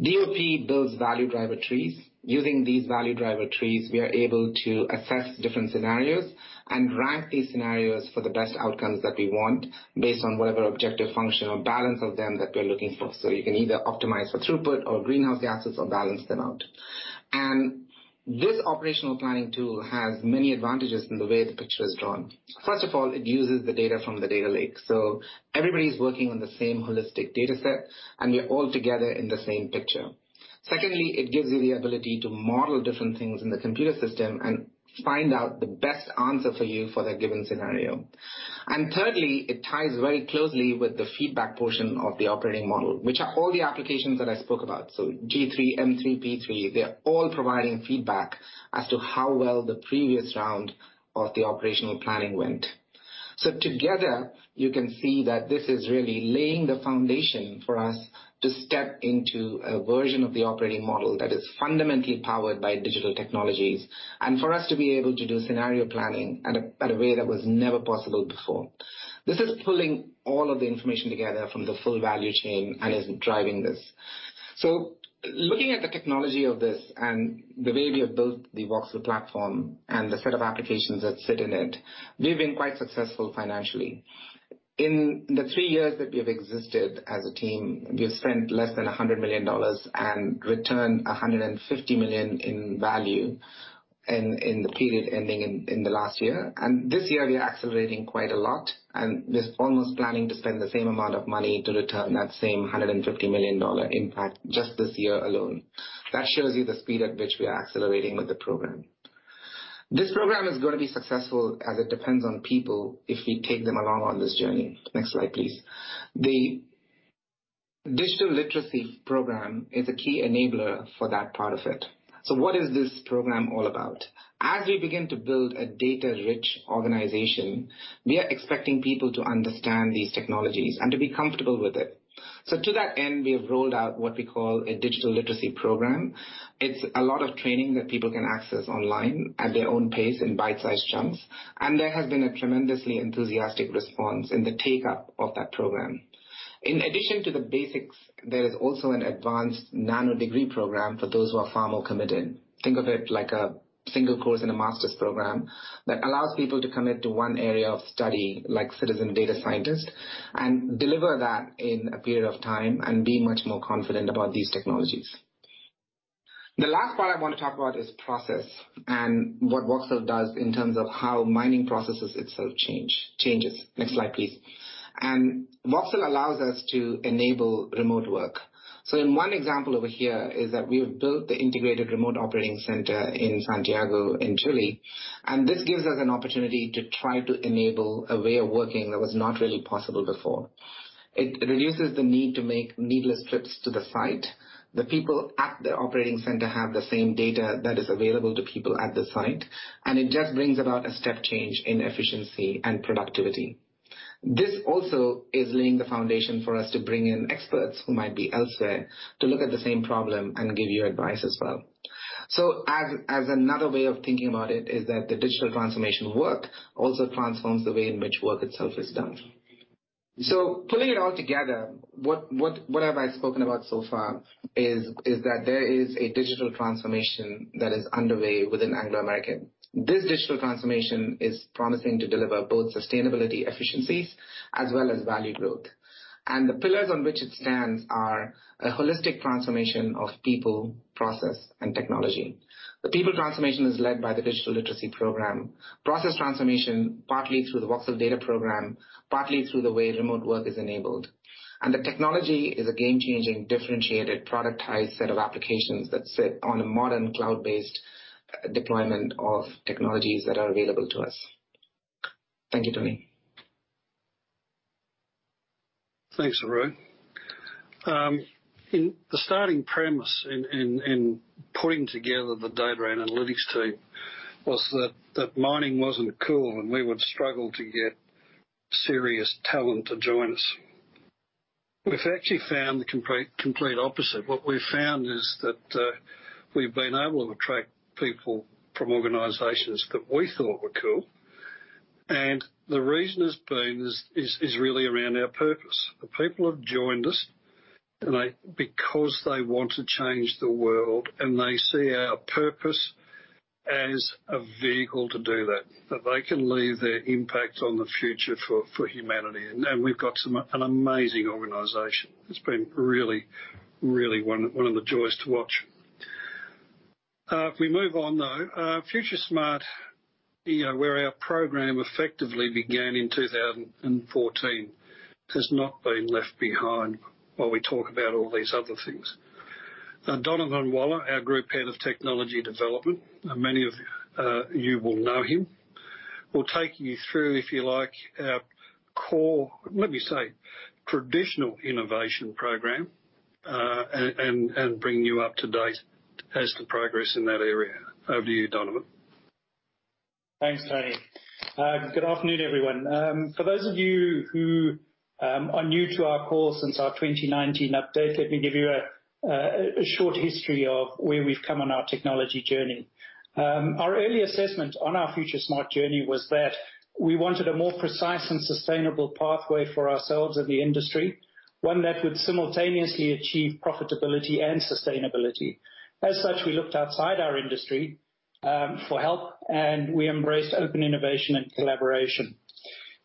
DOP builds value driver trees. Using these value driver trees, we are able to assess different scenarios and rank these scenarios for the best outcomes that we want based on whatever objective function or balance of them that we're looking for. You can either optimize for throughput or greenhouse gases or balance them out. This operational planning tool has many advantages in the way the picture is drawn. First of all, it uses the data from the data lake. Everybody's working on the same holistic data set, and we're all together in the same picture. Secondly, it gives you the ability to model different things in the computer system and find out the best answer for you for that given scenario. Thirdly, it ties very closely with the feedback portion of the Operating Model, which are all the applications that I spoke about. G3, M3, P3, they're all providing feedback as to how well the previous round of the operational planning went. Together, you can see that this is really laying the foundation for us to step into a version of the Operating Model that is fundamentally powered by digital technologies and for us to be able to do scenario planning at a way that was never possible before. This is pulling all of the information together from the full value chain and is driving this. Looking at the technology of this and the way we have built the Voxel platform and the set of applications that sit in it, we've been quite successful financially. In the three years that we have existed as a team, we have spent less than $100 million and returned $150 million in value in the period ending in the last year. This year, we are accelerating quite a lot, and we're almost planning to spend the same amount of money to return that same $150 million impact just this year alone. That shows you the speed at which we are accelerating with the program. This program is going to be successful as it depends on people if we take them along on this journey. Next slide, please. The Digital Literacy Program is a key enabler for that part of it. What is this program all about? As we begin to build a data-rich organization, we are expecting people to understand these technologies and to be comfortable with it. To that end, we have rolled out what we call a Digital Literacy Program. It's a lot of training that people can access online at their own pace in bite-sized chunks, and there has been a tremendously enthusiastic response in the take-up of that program. In addition to the basics, there is also an advanced Nanodegree program for those who are far more committed. Think of it like a single course in a master's program that allows people to commit to one area of study, like citizen data scientist, and deliver that in a period of time and be much more confident about these technologies. The last part I want to talk about is process and what Voxel does in terms of how mining processes itself changes. Next slide, please. Voxel allows us to enable remote work. In one example over here is that we have built the integrated remote operating center in Santiago, in Chile, and this gives us an opportunity to try to enable a way of working that was not really possible before. It reduces the need to make needless trips to the site. The people at the operating center have the same data that is available to people at the site, and it just brings about a step change in efficiency and productivity. This also is laying the foundation for us to bring in experts who might be elsewhere to look at the same problem and give you advice as well. As another way of thinking about it is that the digital transformation work also transforms the way in which work itself is done. Pulling it all together, what have I spoken about so far is that there is a digital transformation that is underway within Anglo American. This digital transformation is promising to deliver both sustainability efficiencies as well as value growth. The pillars on which it stands are a holistic transformation of people, process, and technology. The people transformation is led by the Digital Literacy Program. Process transformation, partly through the Voxel data program, partly through the way remote work is enabled. The technology is a game-changing, differentiated productized set of applications that sit on a modern cloud-based deployment of technologies that are available to us. Thank you, Tony. Thanks, Arun. In the starting premise in putting together the data and analytics team was that mining wasn't cool, and we would struggle to get serious talent to join us. We've actually found the complete opposite. What we've found is that, we've been able to attract people from organizations that we thought were cool, and the reason has been is really around our purpose. The people have joined us because they want to change the world, and they see our purpose as a vehicle to do that they can leave their impact on the future for humanity, and we've got an amazing organization. It's been really one of the joys to watch. If we move on, though, FutureSmart, where our program effectively began in 2014, has not been left behind while we talk about all these other things. Donovan Waller, our Group Head of Technology Development, many of you will know him, will take you through, if you like, our core, let me say, traditional innovation program, and bring you up to date as to progress in that area. Over to you, Donovan. Thanks, Tony. Good afternoon, everyone. For those of you who are new to our call since our 2019 update, let me give you a short history of where we've come on our technology journey. Our early assessment on our FutureSmart Mining journey was that we wanted a more precise and sustainable pathway for ourselves and the industry, one that would simultaneously achieve profitability and sustainability. As such, we looked outside our industry for help. We embraced open innovation and collaboration.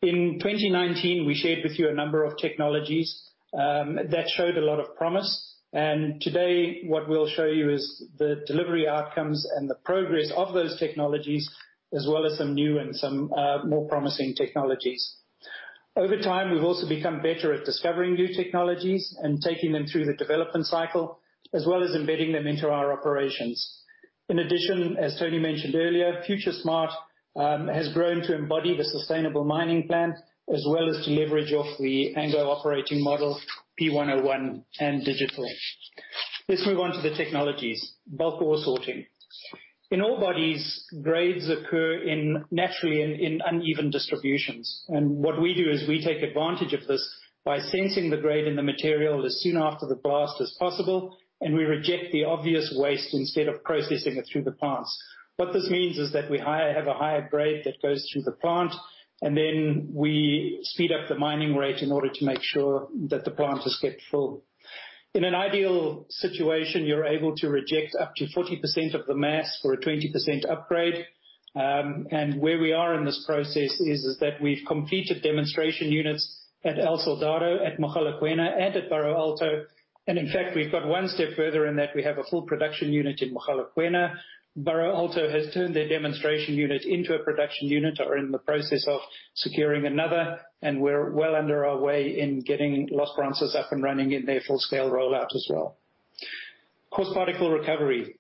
In 2019, we shared with you a number of technologies that showed a lot of promise. Today, what we'll show you is the delivery outcomes and the progress of those technologies, as well as some new and some more promising technologies. Over time, we've also become better at discovering new technologies and taking them through the development cycle, as well as embedding them into our operations. In addition, as Tony mentioned earlier, FutureSmart has grown to embody the sustainable mining plan, as well as to leverage off the Anglo Operating Model, P101, and digital. Let's move on to the technologies. Bulk ore sorting. In ore bodies, grades occur naturally in uneven distributions. What we do is we take advantage of this by sensing the grade in the material as soon after the blast as possible, and we reject the obvious waste instead of processing it through the plants. What this means is that we have a higher grade that goes through the plant, and then we speed up the mining rate in order to make sure that the plant has kept full. In an ideal situation, you're able to reject up to 40% of the mass for a 20% upgrade. Where we are in this process is that we've completed demonstration units at El Soldado, at Mogalakwena, and at Barro Alto. In fact, we've got one step further in that we have a full production unit in Mogalakwena. Barro Alto has turned their demonstration unit into a production unit. Are in the process of securing another, and we're well under our way in getting Los Bronces up and running in their full-scale rollout as well. Coarse particle recovery.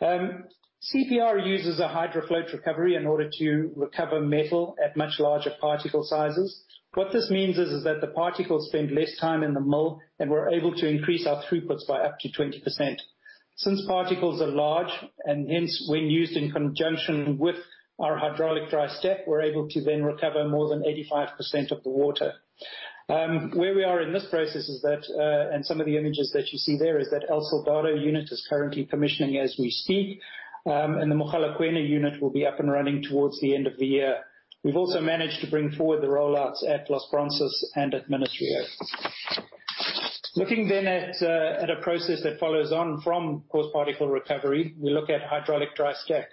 CPR uses a HydroFloat recovery in order to recover metal at much larger particle sizes. What this means is that the particles spend less time in the mill, and we're able to increase our throughputs by up to 20%. Since particles are large, and hence when used in conjunction with our Hydraulic Dry Stacking, we're able to then recover more than 85% of the water. Where we are in this process is that, and some of the images that you see there is that El Soldado unit is currently commissioning as we speak. The Mogalakwena unit will be up and running towards the end of the year. We've also managed to bring forward the rollouts at Los Bronces and at Ministro. Looking at a process that follows on from coarse particle recovery, we look at hydraulic dry stack.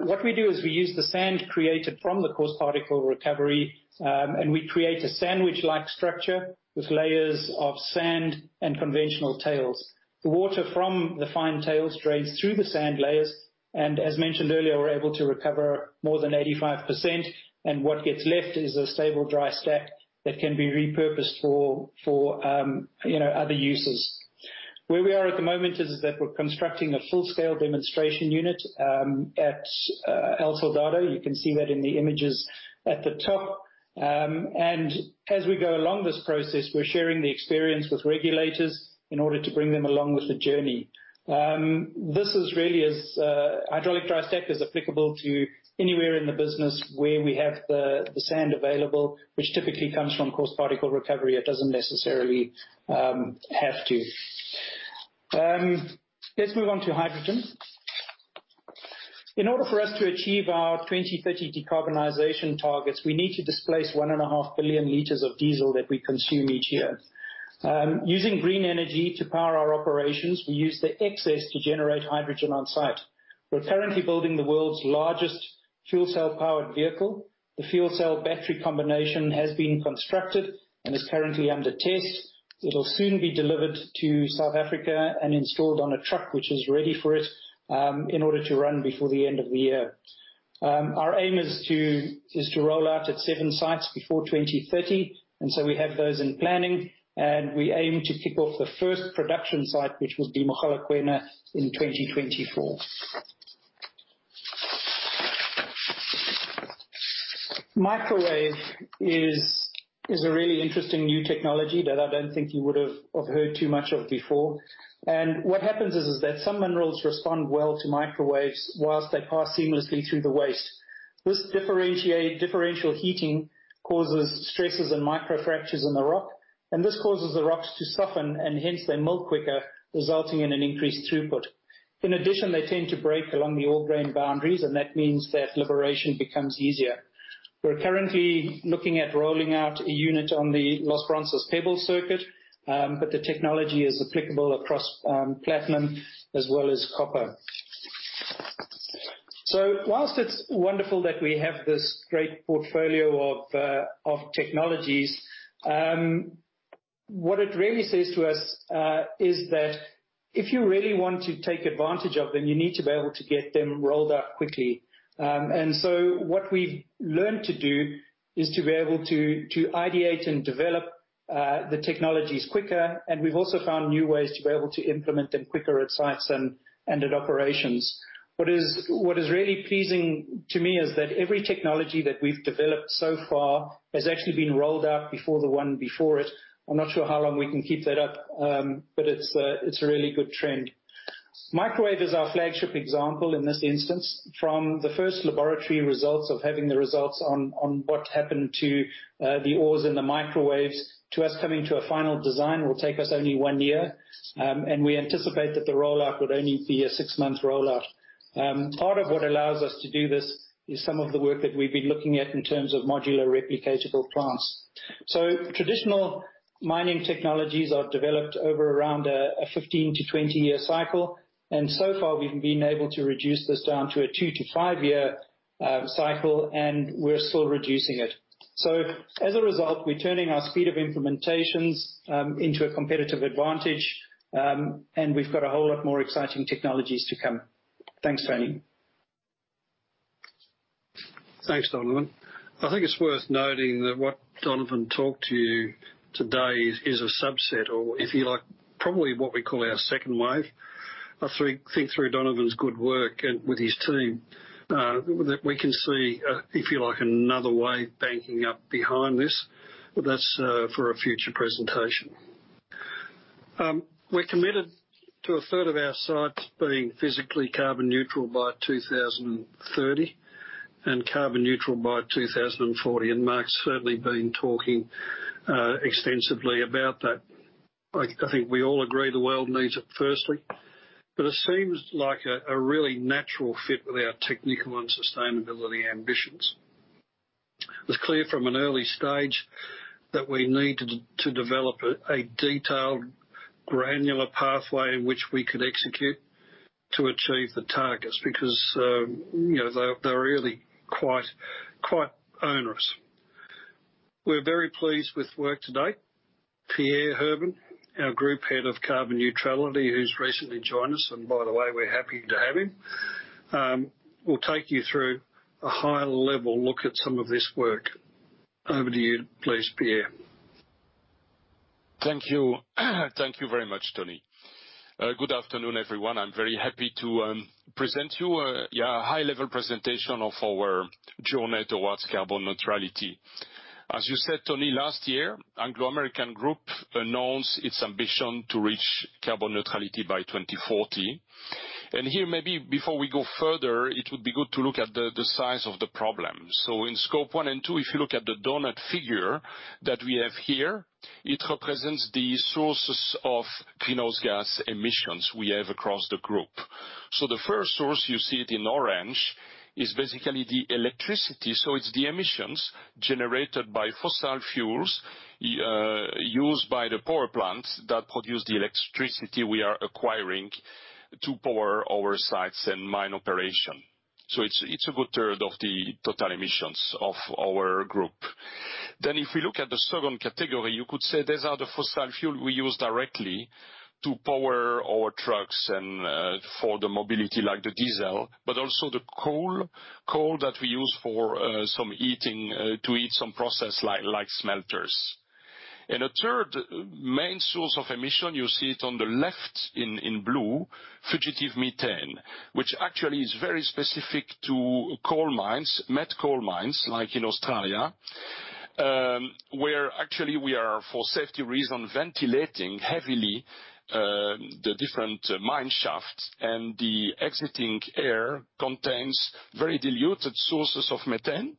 What we do is we use the sand created from the coarse particle recovery, and we create a sandwich-like structure with layers of sand and conventional tails. The water from the fine tails drains through the sand layers, and as mentioned earlier, we're able to recover more than 85%, and what gets left is a stable, dry stack that can be repurposed for other uses. Where we are at the moment is that we're constructing a full-scale demonstration unit at El Soldado. You can see that in the images at the top. As we go along this process, we're sharing the experience with regulators in order to bring them along with the journey. Hydraulic Dry Stack is applicable to anywhere in the business where we have the sand available, which typically comes from coarse particle recovery. It doesn't necessarily have to. Let's move on to hydrogen. In order for us to achieve our 2030 decarbonization targets, we need to displace 1.5 billion liters of diesel that we consume each year. Using green energy to power our operations, we use the excess to generate hydrogen on-site. We're currently building the world's largest fuel cell-powered vehicle. The fuel cell battery combination has been constructed and is currently under test. It'll soon be delivered to South Africa and installed on a truck, which is ready for it, in order to run before the end of the year. Our aim is to roll out at seven sites before 2030, so we have those in planning, and we aim to kick off the first production site, which will be Mogalakwena in 2024. Microwave is a really interesting new technology that I think would have too much before. What happens is that some minerals respond well to microwaves whilst they pass seamlessly through the waste. This differential heating causes stresses and microfractures in the rock, and this causes the rocks to soften, and hence they mill quicker, resulting in an increased throughput. In addition, they tend to break along the ore grain boundaries, and that means that liberation becomes easier. We're currently looking at rolling out a unit on the Los Bronces pebble circuit, but the technology is applicable across platinum as well as copper. Whilst it's wonderful that we have this great portfolio of technologies, what it really says to us is that if you really want to take advantage of them, you need to be able to get them rolled out quickly. What we've learned to do is to be able to ideate and develop the technologies quicker, and we've also found new ways to be able to implement them quicker at sites and at operations. What is really pleasing to me is that every technology that we've developed so far has actually been rolled out before the one before it. I'm not sure how long we can keep that up, but it's a really good trend. Microwave is our flagship example in this instance. From the first laboratory results of having the results on what happened to the ores and the microwaves, to us coming to a final design, will take us only one year, and we anticipate that the rollout would only be a six-month rollout. Part of what allows us to do this is some of the work that we've been looking at in terms of modular replicatable plants. Traditional mining technologies are developed over around a 15-20 year cycle, and so far we've been able to reduce this down to a two to five year cycle, and we're still reducing it. As a result, we're turning our speed of implementations into a competitive advantage, and we've got a whole lot more exciting technologies to come. Thanks, Tony. Thanks, Donovan. I think it's worth noting that what Donovan talked to you today is a subset, or if you like, probably what we call our second wave. I think through Donovan's good work with his team, that we can see, if you like, another wave banking up behind this. That's for a future presentation. We're committed to a third of our sites being physically carbon neutral by 2030 and carbon neutral by 2040. Mark's certainly been talking extensively about that. I think we all agree the world needs it, firstly. It seems like a really natural fit with our technical and sustainability ambitions. It was clear from an early stage that we needed to develop a detailed, granular pathway in which we could execute to achieve the targets because they're really quite onerous. We're very pleased with work to date. Pierre Herben, our Group Head of carbon neutrality, who's recently joined us, and by the way, we're happy to have him, will take you through a high-level look at some of this work. Over to you please, Pierre. Thank you. Thank you very much, Tony. Good afternoon, everyone. I'm very happy to present to you a high-level presentation of our journey towards carbon neutrality. As you said, Tony, last year, Anglo American Group announced its ambition to reach carbon neutrality by 2040. Here, maybe before we go further, it would be good to look at the size of the problem. In scope one and two, if you look at the doughnut figure that we have here, it represents the sources of greenhouse gas emissions we have across the group. The first source, you see it in orange, is basically the electricity. It's the emissions generated by fossil fuels, used by the power plants that produce the electricity we are acquiring to power our sites and mine operation. It's a good third of the total emissions of our group. If we look at the second category, you could say these are the fossil fuel we use directly to power our trucks and for the mobility, like the diesel, but also the coal. Coal that we use to heat some process like smelters. A third main source of emission, you see it on the left in blue, fugitive methane, which actually is very specific to coal mines, met coal mines, like in Australia, where actually we are, for safety reason, ventilating heavily the different mine shafts and the exiting air contains very diluted sources of methane,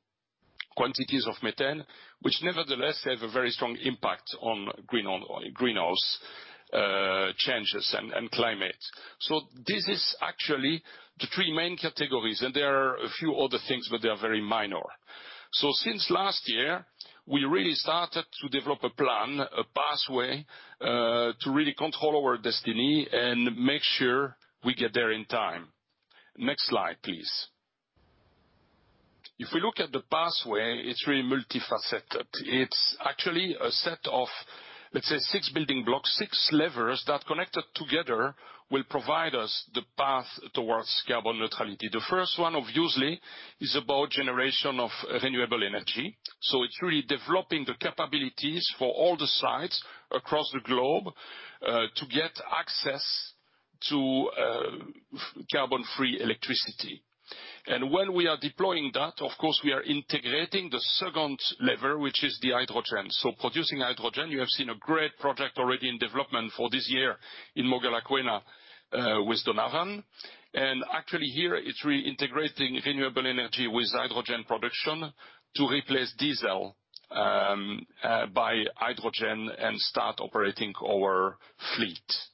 quantities of methane, which nevertheless have a very strong impact on greenhouse changes and climate. This is actually the three main categories, and there are a few other things, but they are very minor. Since last year, we really started to develop a plan, a pathway, to really control our destiny and make sure we get there in time. Next slide, please. If we look at the pathway, it's really multifaceted. It's actually a set of, let's say six building blocks, six levers that connected together will provide us the path towards carbon neutrality. The first one, obviously, is about generation of renewable energy. It's really developing the capabilities for all the sites across the globe, to get access to carbon free electricity. When we are deploying that, of course, we are integrating the second lever, which is the hydrogen. Producing hydrogen, you have seen a great project already in development for this year in Mogalakwena, with Donovan. Actually here it's really integrating renewable energy with hydrogen production to replace diesel by hydrogen and start operating our fleet.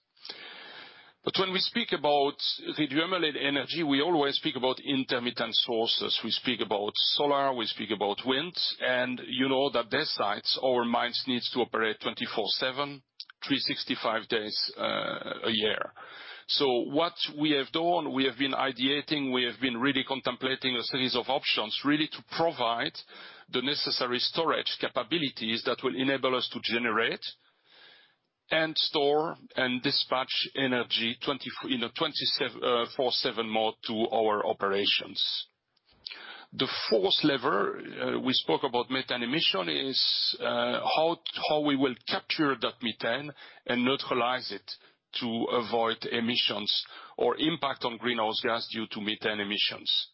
When we speak about renewable energy, we always speak about intermittent sources. We speak about solar, we speak about wind, and you know that these sites or mines needs to operate 24/7, 365 days a year. What we have done, we have been ideating, we have been really contemplating a series of options, really to provide the necessary storage capabilities that will enable us to generate and store and dispatch energy 24/7 more to our operations. The fourth lever, we spoke about methane emission, is how we will capture that methane and neutralize it to avoid emissions or impact on greenhouse gas due to methane emissions.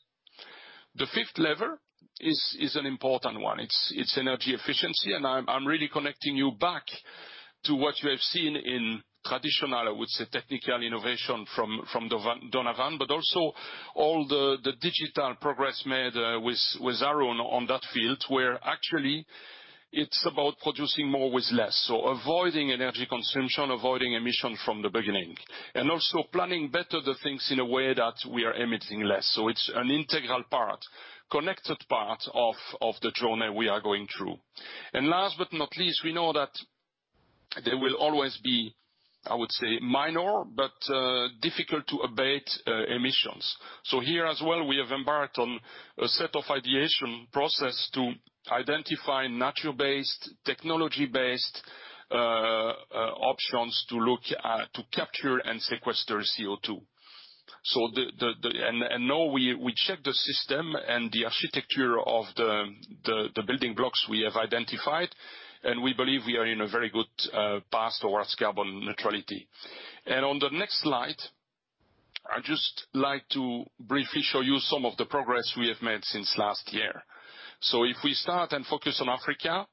The fifth lever is an important one. It's energy efficiency, I'm really connecting you back to what you have seen in traditional, I would say, technical innovation from Donovan, but also all the digital progress made with Arun on that field, where actually it's about producing more with less. Avoiding energy consumption, avoiding emission from the beginning, and also planning better the things in a way that we are emitting less. It's an integral part, connected part of the journey we are going through. Last but not least, we know that there will always be, I would say, minor, but difficult to abate emissions. Here as well, we have embarked on a set of ideation process to identify natural-based, technology-based options to capture and sequester CO2. Now we check the system and the architecture of the building blocks we have identified, and we believe we are in a very good path towards carbon neutrality. On the next slide, I'd just like to briefly show you some of the progress we have made since last year. If we start and focus on Africa,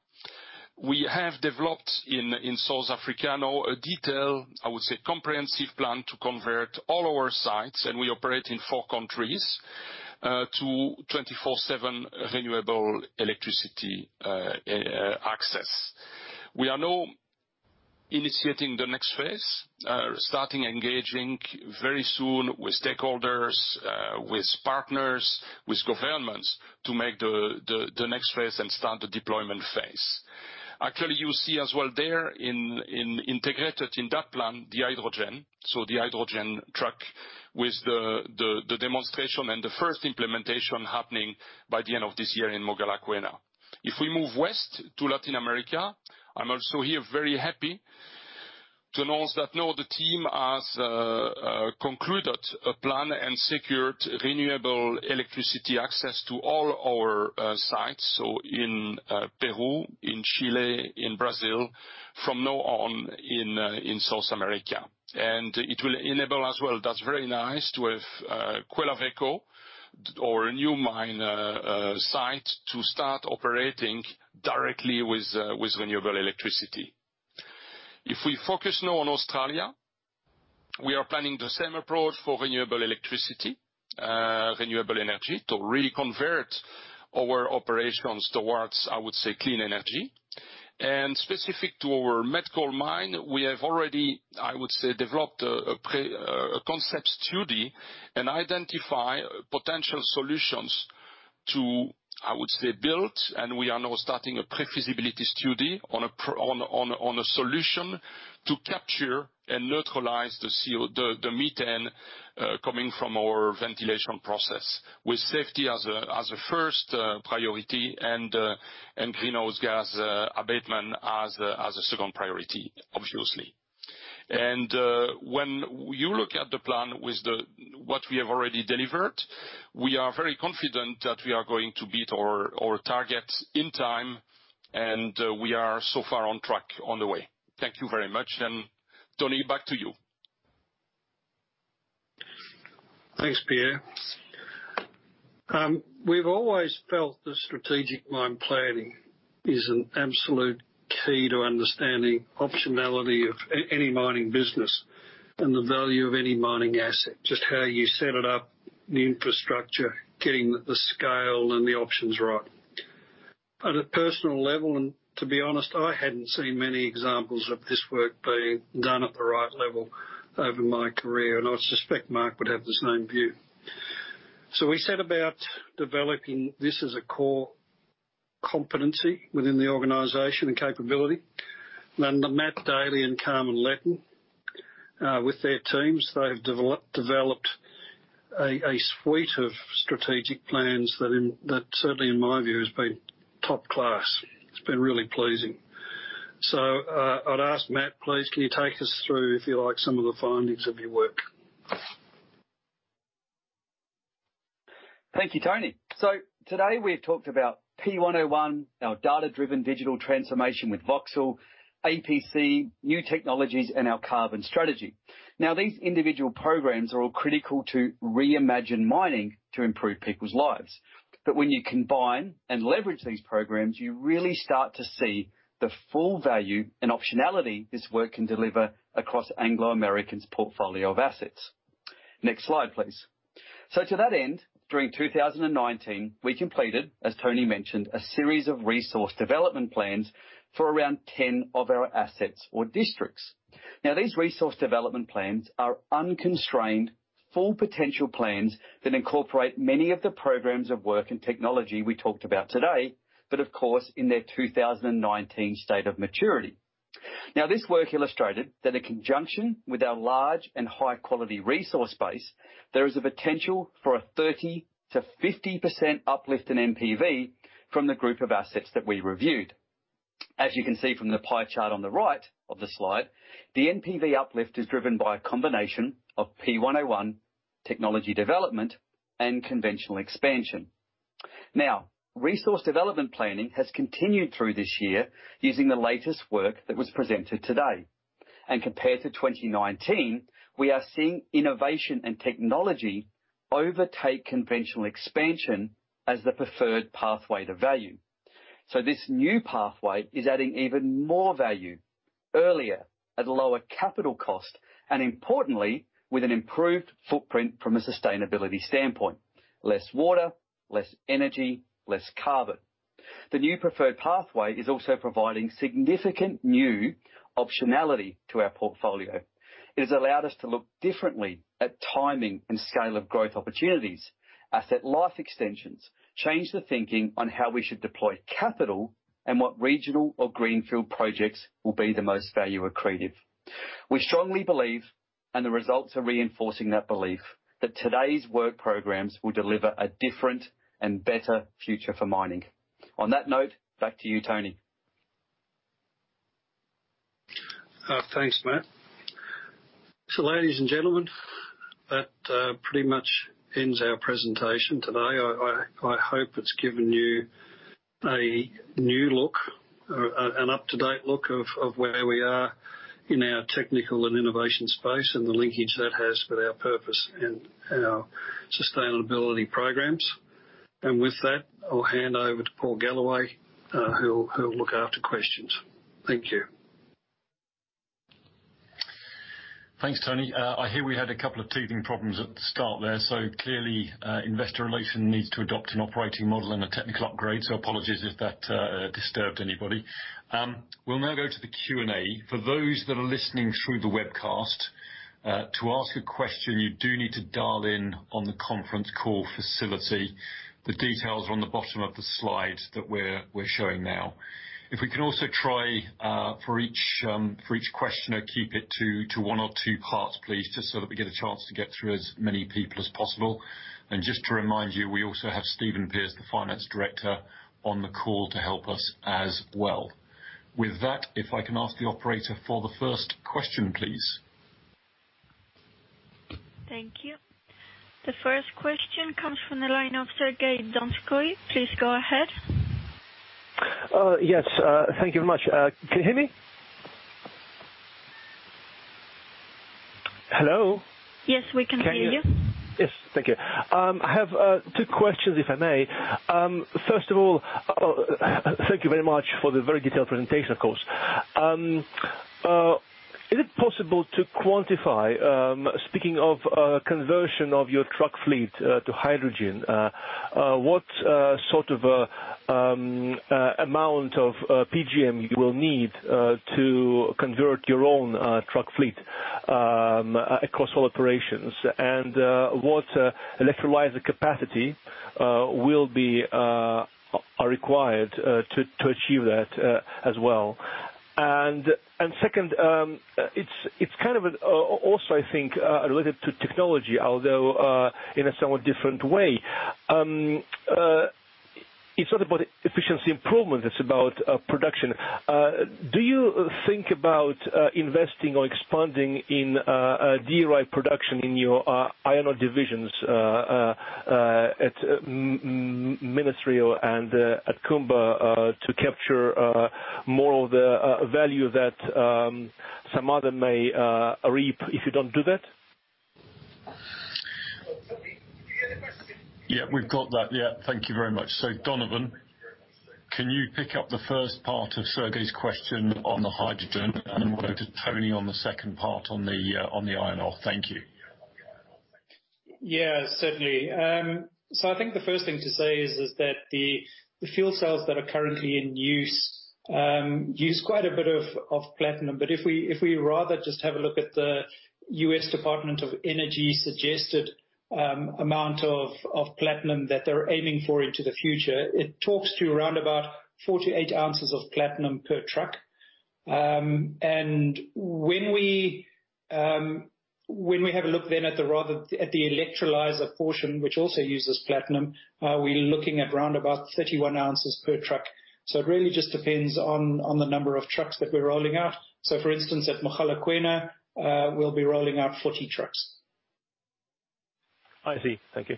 we have developed in South Africa now a detailed, I would say, comprehensive plan to convert all our sites, and we operate in four countries, to 24/7 renewable electricity access. We are now initiating the next phase, starting engaging very soon with stakeholders, with partners, with governments to make the next phase and start the deployment phase. Actually, you see as well there integrated in that plan, the hydrogen. The hydrogen truck with the demonstration and the first implementation happening by the end of this year in Mogalakwena. If we move west to Latin America, I am also here very happy to announce that now the team has concluded a plan and secured renewable electricity access to all our sites. In Peru, in Chile, in Brazil, from now on in South America. It will enable as well, that is very nice to have Quellaveco or a new mine site to start operating directly with renewable electricity. If we focus now on Australia, we are planning the same approach for renewable electricity, renewable energy to really convert our operations towards clean energy. Specific to our met coal mine, we have already developed a concept study and identify potential solutions to build. We are now starting a pre-feasibility study on a solution to capture and neutralize the methane coming from our ventilation process with safety as a first priority and greenhouse gas abatement as a second priority, obviously. When you look at the plan with what we have already delivered, we are very confident that we are going to beat our target in time, and we are so far on track on the way. Thank you very much. Tony, back to you. Thanks, Pierre. We've always felt that strategic mine planning is an absolute key to understanding optionality of any mining business and the value of any mining asset. Just how you set it up, the infrastructure, getting the scale and the options right. At a personal level, and to be honest, I hadn't seen many examples of this work being done at the right level over my career, and I suspect Mark would have the same view. We set about developing this as a core competency within the organization and capability. Matt Daley and Carmen Letton, with their teams, they've developed a suite of strategic plans that certainly in my view, has been top class. It's been really pleasing. I'd ask Matt, please, can you take us through, if you like, some of the findings of your work? Thank you, Tony. Today we've talked about P101, our data-driven digital transformation with Voxel, APC, new technologies, and our carbon strategy. These individual programs are all critical to reimagine mining to improve people's lives. When you combine and leverage these programs, you really start to see the full value and optionality this work can deliver across Anglo American's portfolio of assets. Next slide, please. To that end, during 2019, we completed, as Tony mentioned, a series of resource development plans for around 10 of our assets or districts. These resource development plans are unconstrained full potential plans that incorporate many of the programs of work and technology we talked about today, but of course, in their 2019 state of maturity. This work illustrated that in conjunction with our large and high-quality resource base, there is a potential for a 30%-50% uplift in NPV from the group of assets that we reviewed. As you can see from the pie chart on the right of the slide, the NPV uplift is driven by a combination of P101 technology development and conventional expansion. Resource development planning has continued through this year using the latest work that was presented today. Compared to 2019, we are seeing innovation and technology overtake conventional expansion as the preferred pathway to value. This new pathway is adding even more value, earlier, at a lower capital cost, and importantly, with an improved footprint from a sustainability standpoint. Less water, less energy, less carbon. The new preferred pathway is also providing significant new optionality to our portfolio. It has allowed us to look differently at timing and scale of growth opportunities, asset life extensions, change the thinking on how we should deploy capital, and what regional or greenfield projects will be the most value accretive. We strongly believe, and the results are reinforcing that belief, that today's work programs will deliver a different and better future for mining. On that note, back to you, Tony. Thanks, Matt. Ladies and gentlemen, that pretty much ends our presentation today. I hope it's given you a new look, an up-to-date look of where we are in our technical and innovation space and the linkage that has with our purpose and our sustainability programs. With that, I'll hand over to Paul Galloway, who'll look after questions. Thank you. Thanks, Tony. I hear we had a couple of teething problems at the start there, clearly Investor Relations needs to adopt an Operating Model and a technical upgrade, apologies if that disturbed anybody. We'll now go to the Q&A. For those that are listening through the webcast, to ask a question, you do need to dial in on the conference call facility. The details are on the bottom of the slide that we're showing now. If we can also try, for each questioner, keep it to one or two parts, please, just so that we get a chance to get through as many people as possible. Just to remind you, we also have Stephen Pearce, the Finance Director, on the call to help us as well. With that, if I can ask the operator for the first question, please. Thank you. The first question comes from the line of Sergey Donskoy. Please go ahead. Yes. Thank you very much. Can you hear me? Hello? Yes, we can hear you. Yes. Thank you. I have two questions, if I may. First of all, thank you very much for the very detailed presentation, of course. Is it possible to quantify, speaking of conversion of your truck fleet to hydrogen, what sort of amount of PGM you will need to convert your own truck fleet across all operations? What electrolyzer capacity will be required to achieve that as well? Second, it's kind of also, I think, related to technology, although in a somewhat different way. It's not about efficiency improvement, it's about production. Do you think about investing or expanding in DRI production in your iron ore divisions at Minas-Rio and at Kumba to capture more of the value that some other may reap if you don't do that? Yeah, we've got that. Yeah. Thank you very much. Donovan, can you pick up the first part of Sergey's question on the hydrogen, and we'll go to Tony on the second part on the iron ore. Thank you. Yeah, certainly. I think the first thing to say is that the fuel cells that are currently in use quite a bit of platinum. If we rather just have a look at the U.S. Department of Energy's suggested amount of platinum that they're aiming for into the future, it talks to around about 48 ounces of platinum per truck. When we have a look at the electrolyzer portion, which also uses platinum, we're looking at around about 31 ounces per truck. It really just depends on the number of trucks that we're rolling out. For instance, at Mogalakwena, we'll be rolling out 40 trucks. I see. Thank you.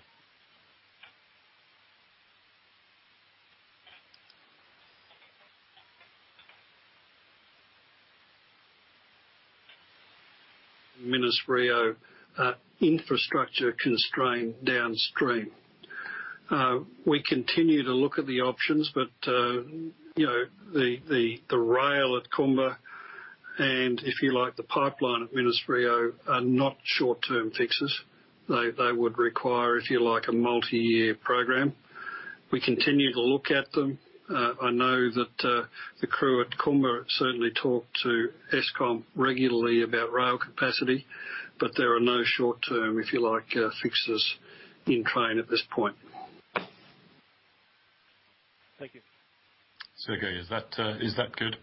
Minas-Rio are infrastructure constrained downstream. We continue to look at the options, but the rail at Kumba and, if you like, the pipeline at Minas-Rio are not short-term fixes. They would require, if you like, a multi-year program. We continue to look at them. I know that the crew at Kumba certainly talk to Eskom regularly about rail capacity, but there are no short-term, if you like, fixes in train at this point. Thank you. Sergey, is that good?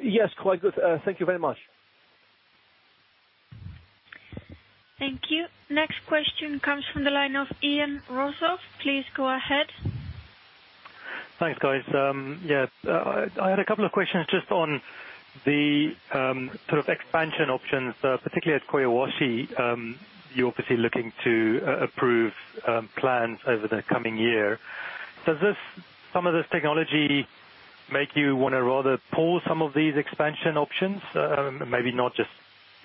Yes, quite good. Thank you very much. Thank you. Next question comes from the line of Ian Rossouw. Please go ahead. Thanks, guys. Yeah. I had a couple of questions just on the sort of expansion options, particularly at Collahuasi. You're obviously looking to approve plans over the coming year. Does some of this technology make you want to rather pull some of these expansion options? Maybe not just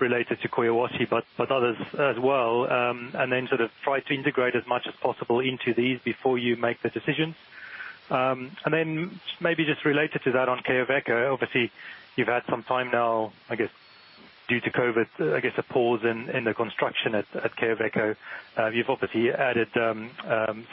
related to Collahuasi, but others as well, and then sort of try to integrate as much as possible into these before you make the decisions. Then maybe just related to that on Quellaveco, obviously, you've had some time now, I guess, due to COVID, I guess a pause in the construction at Quellaveco. You've obviously added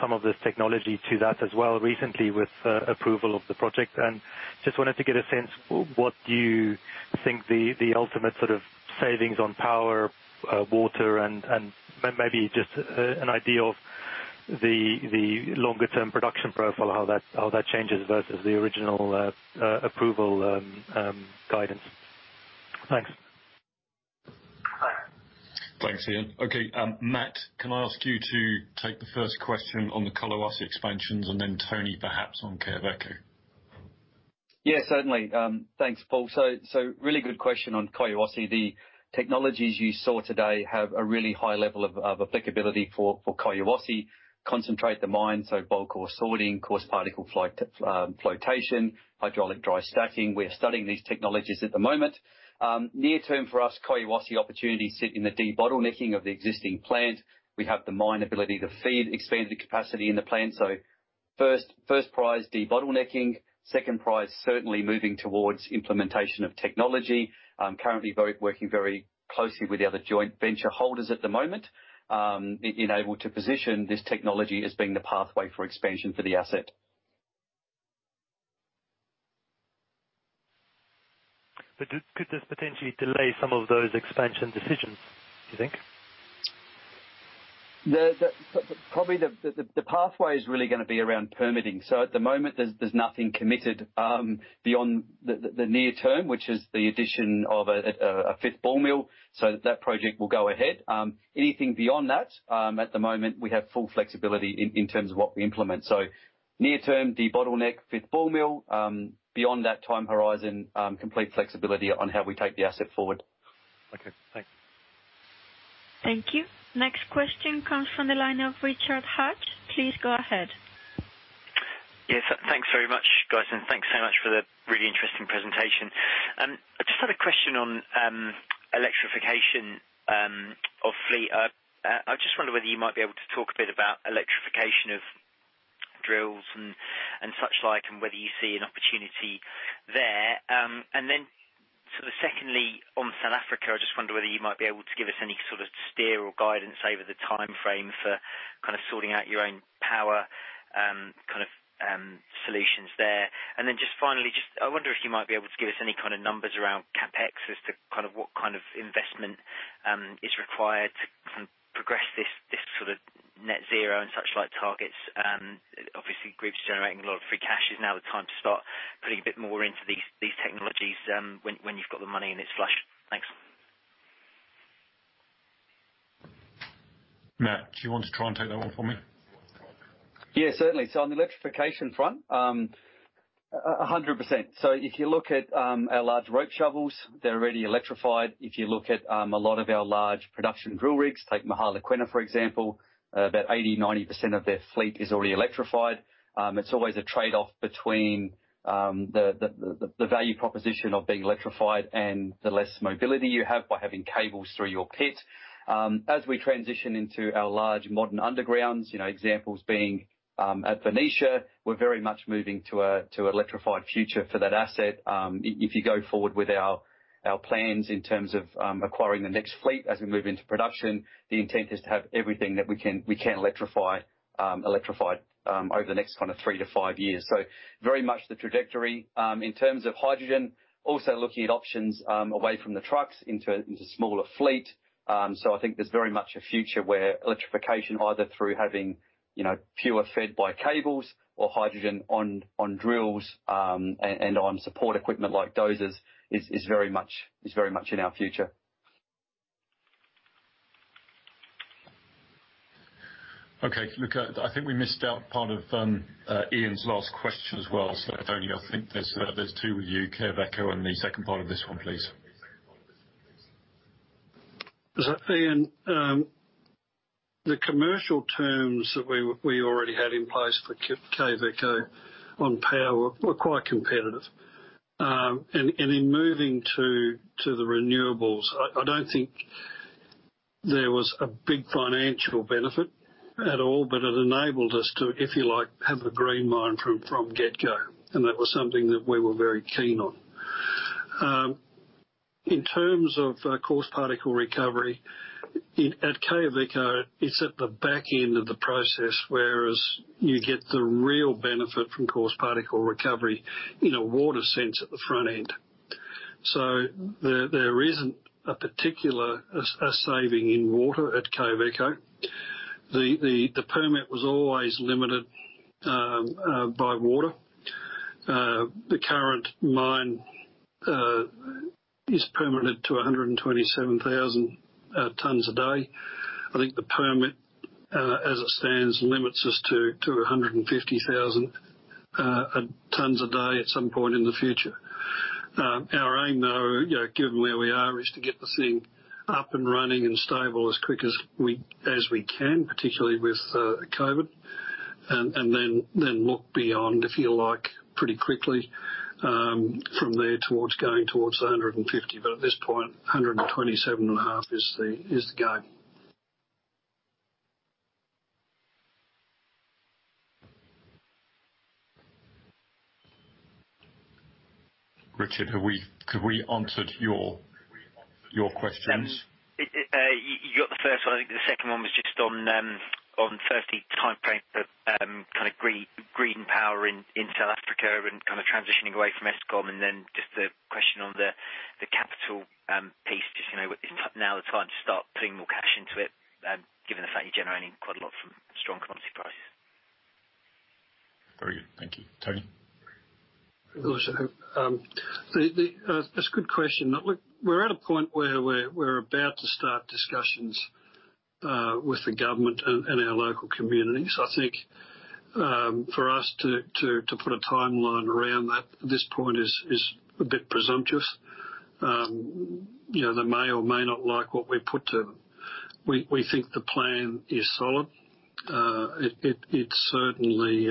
some of this technology to that as well recently with approval of the project and just wanted to get a sense, what do you think the ultimate sort of savings on power, water and maybe just an idea of the longer term production profile, how that changes versus the original approval guidance? Thanks. Thanks, Ian. Okay, Matt, can I ask you to take the first question on the Collahuasi expansions and then Tony perhaps on Quellaveco. Yeah, certainly. Thanks, Paul. Really good question on Collahuasi. The technologies you saw today have a really high level of applicability for Collahuasi. Concentrate the mine, so bulk ore sorting, coarse particle flotation, Hydraulic Dry Stacking. We're studying these technologies at the moment. Near term for us, Collahuasi opportunities sit in the de-bottlenecking of the existing plant. We have the mine ability to feed, expand the capacity in the plant. First prize, de-bottlenecking. Second prize, certainly moving towards implementation of technology. Currently working very closely with the other joint venture holders at the moment, in able to position this technology as being the pathway for expansion for the asset. Could this potentially delay some of those expansion decisions, do you think? Probably the pathway is really gonna be around permitting. At the moment, there's nothing committed, beyond the near term, which is the addition of a fifth ball mill. That project will go ahead. Anything beyond that, at the moment, we have full flexibility in terms of what we implement. Near term, de-bottleneck, fifth ball mill. Beyond that time horizon, complete flexibility on how we take the asset forward. Okay, thanks. Thank you. Next question comes from the line of Richard Hatch. Please go ahead. Yes, thanks very much, guys. Thanks so much for the really interesting presentation. I just had a question on electrification of fleet. I just wonder whether you might be able to talk a bit about electrification of drills and suchlike, and whether you see an opportunity there. Then sort of secondly, on South Africa, I just wonder whether you might be able to give us any sort of steer or guidance over the timeframe for kind of sorting out your own power, kind of, solutions there. Then just finally, just I wonder if you might be able to give us any kind of numbers around CapEx as to kind of what kind of investment is required to kind of progress this sort of net zero and suchlike targets. Obviously, group's generating a lot of free cash. Is now the time to start putting a bit more into these technologies, when you've got the money and it's flush? Thanks. Matt, do you want to try and take that one for me? On the electrification front, 100%. If you look at our large rope shovels, they're already electrified. If you look at a lot of our large production drill rigs, take Mogalakwena, for example, about 80%, 90% of their fleet is already electrified. It's always a trade-off between the value proposition of being electrified and the less mobility you have by having cables through your pit. As we transition into our large modern undergrounds, examples being, at Venetia, we're very much moving to an electrified future for that asset. If you go forward with our plans in terms of acquiring the next fleet as we move into production, the intent is to have everything that we can electrify, electrified over the next kind of three to five years. Very much the trajectory. In terms of hydrogen, also looking at options away from the trucks into a smaller fleet. I think there's very much a future where electrification, either through having pure fed by cables or hydrogen on drills, and on support equipment like dozers, is very much in our future. Okay. Look, I think we missed out part of Ian's last question as well. Tony, I think there's two with you, Quellaveco and the second part of this one, please. Is that Ian? The commercial terms that we already had in place for Quellaveco on power were quite competitive. In moving to the renewables, I don't think there was a big financial benefit at all, but it enabled us to, if you like, have a green mine from get-go, and that was something that we were very keen on. In terms of coarse particle recovery, at Quellaveco, it's at the back end of the process, whereas you get the real benefit from coarse particle recovery in a water sense at the front end. There isn't a particular saving in water at Quellaveco. The permit was always limited by water. The current mine is permitted to 127,000 tons a day. I think the permit, as it stands, limits us to 150,000 tons a day at some point in the future. Our aim, though, given where we are, is to get the thing up and running and stable as quick as we can, particularly with COVID, and then look beyond, if you like, pretty quickly, from there towards going towards 150,000 tons. At this point, 127,500 tons is the go. Richard Hatch, have we answered your questions? You got the first one. I think the second one was just on firstly, timeframe for green power in South Africa and transitioning away from Eskom and then just the question on the capital piece. Just, is now the time to start putting more cash into it, given the fact you're generating quite a lot from strong commodity prices? Very good. Thank you. Tony? That's a good question. Look, we're at a point where we're about to start discussions with the government and our local communities. I think, for us to put a timeline around that at this point is a bit presumptuous. They may or may not like what we put to them. We think the plan is solid. It certainly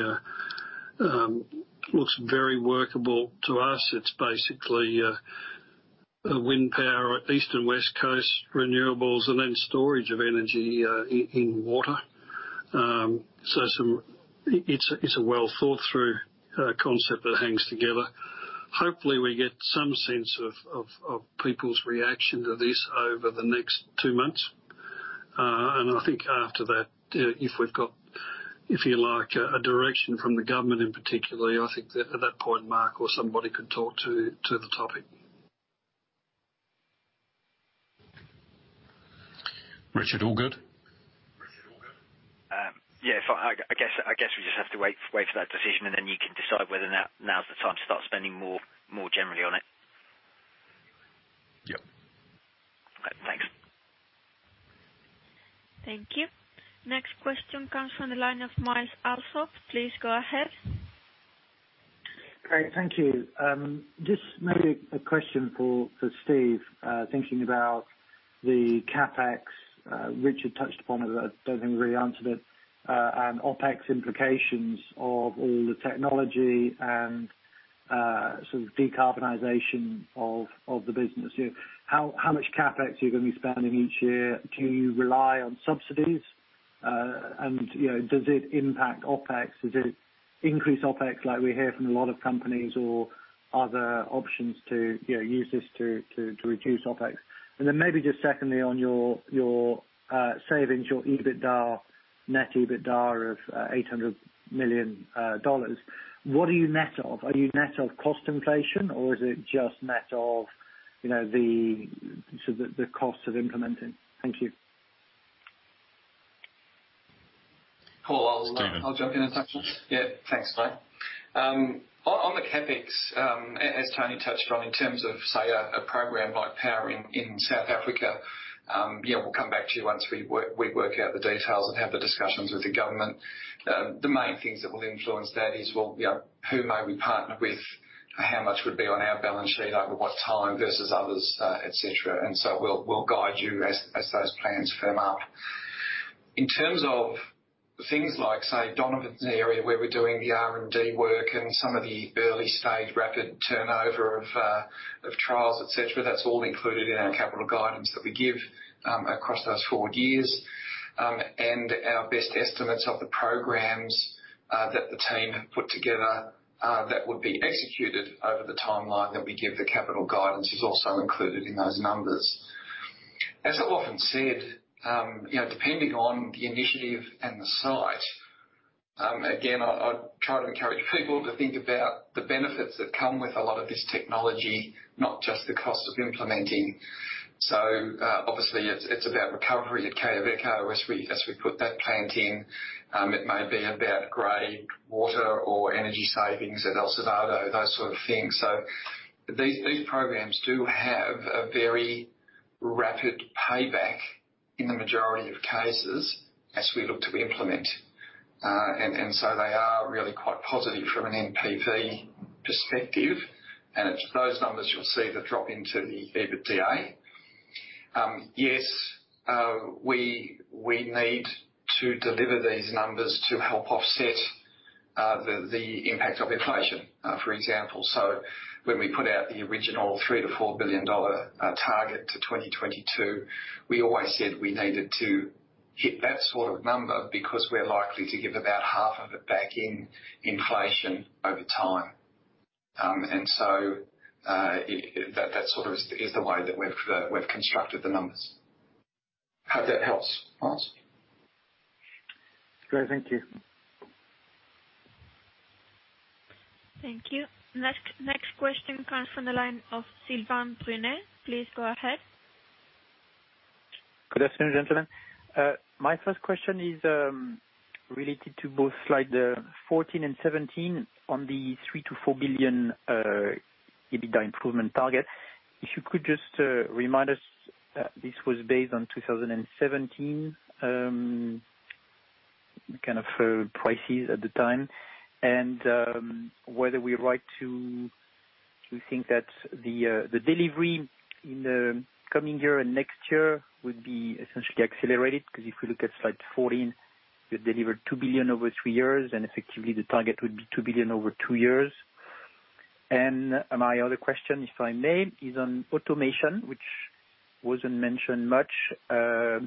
looks very workable to us. It's basically a wind power, East and West Coast renewables and then storage of energy in water. It's a well-thought-through concept that hangs together. Hopefully, we get some sense of people's reaction to this over the next two months. I think after that, if we've got, if you like, a direction from the government in particular, I think at that point, Mark or somebody could talk to the topic. Richard, all good? Yeah. I guess we just have to wait for that decision, and then you can decide whether now's the time to start spending more generally on it. Yep. Okay, thanks. Thank you. Next question comes from the line of Myles Allsop. Please go ahead. Great. Thank you. Just maybe a question for Steve, thinking about the CapEx. Richard touched upon it, I don't think we really answered it, and OpEx implications of all the technology and sort of decarbonization of the business. How much CapEx are you going to be spending each year? Do you rely on subsidies? Does it impact OpEx? Does it increase OpEx like we hear from a lot of companies or other options to use this to reduce OpEx? Then maybe just secondly, on your savings, your EBITDA, net EBITDA of $800 million, what are you net of? Are you net of cost inflation or is it just net of the cost of implementing? Thank you. Stephen. Paul, I'll jump in if that's all. Thanks, Myles. On the CapEx, as Tony O'Neill touched on, in terms of, say, a program like power in South Africa, we'll come back to you once we work out the details and have the discussions with the government. The main things that will influence that is, who may we partner with? How much would be on our balance sheet over what time versus others, et cetera. We'll guide you as those plans firm up. In terms of things like, say, Donovan Waller's area, where we're doing the R&D work and some of the early stage rapid turnover of trials, et cetera, that's all included in our capital guidance that we give across those four years. Our best estimates of the programs that the team have put together, that would be executed over the timeline that we give the capital guidance is also included in those numbers. I often said, depending on the initiative and the site, again, I try to encourage people to think about the benefits that come with a lot of this technology, not just the cost of implementing. Obviously, it's about recovery at Quellaveco as we put that plant in. It may be about gray water or energy savings at El Soldado, those sort of things. These programs do have a very rapid payback in the majority of cases as we look to implement. They are really quite positive from an NPV perspective. It's those numbers you'll see that drop into the EBITDA. Yes, we need to deliver these numbers to help offset the impact of inflation. For example, when we put out the original $3 billion-$4 billion target to 2022, we always said we needed to hit that sort of number, because we're likely to give about half of it back in inflation over time. That sort of is the way that we've constructed the numbers. Hope that helps, Myles. Great. Thank you. Thank you. Next question comes from the line of Sylvain Brunet. Please go ahead. Good afternoon, gentlemen. My first question is related to both slide 14 and slide 17 on the $3 billion-$4 billion EBITDA improvement target. If you could just remind us that this was based on 2017, kind of prices at the time, and whether we're right to think that the delivery in the coming year and next year would be essentially accelerated. If we look at slide 14, you delivered $2 billion over three years, and effectively the target would be $2 billion over two years. My other question, if I may, is on automation, which wasn't mentioned much. I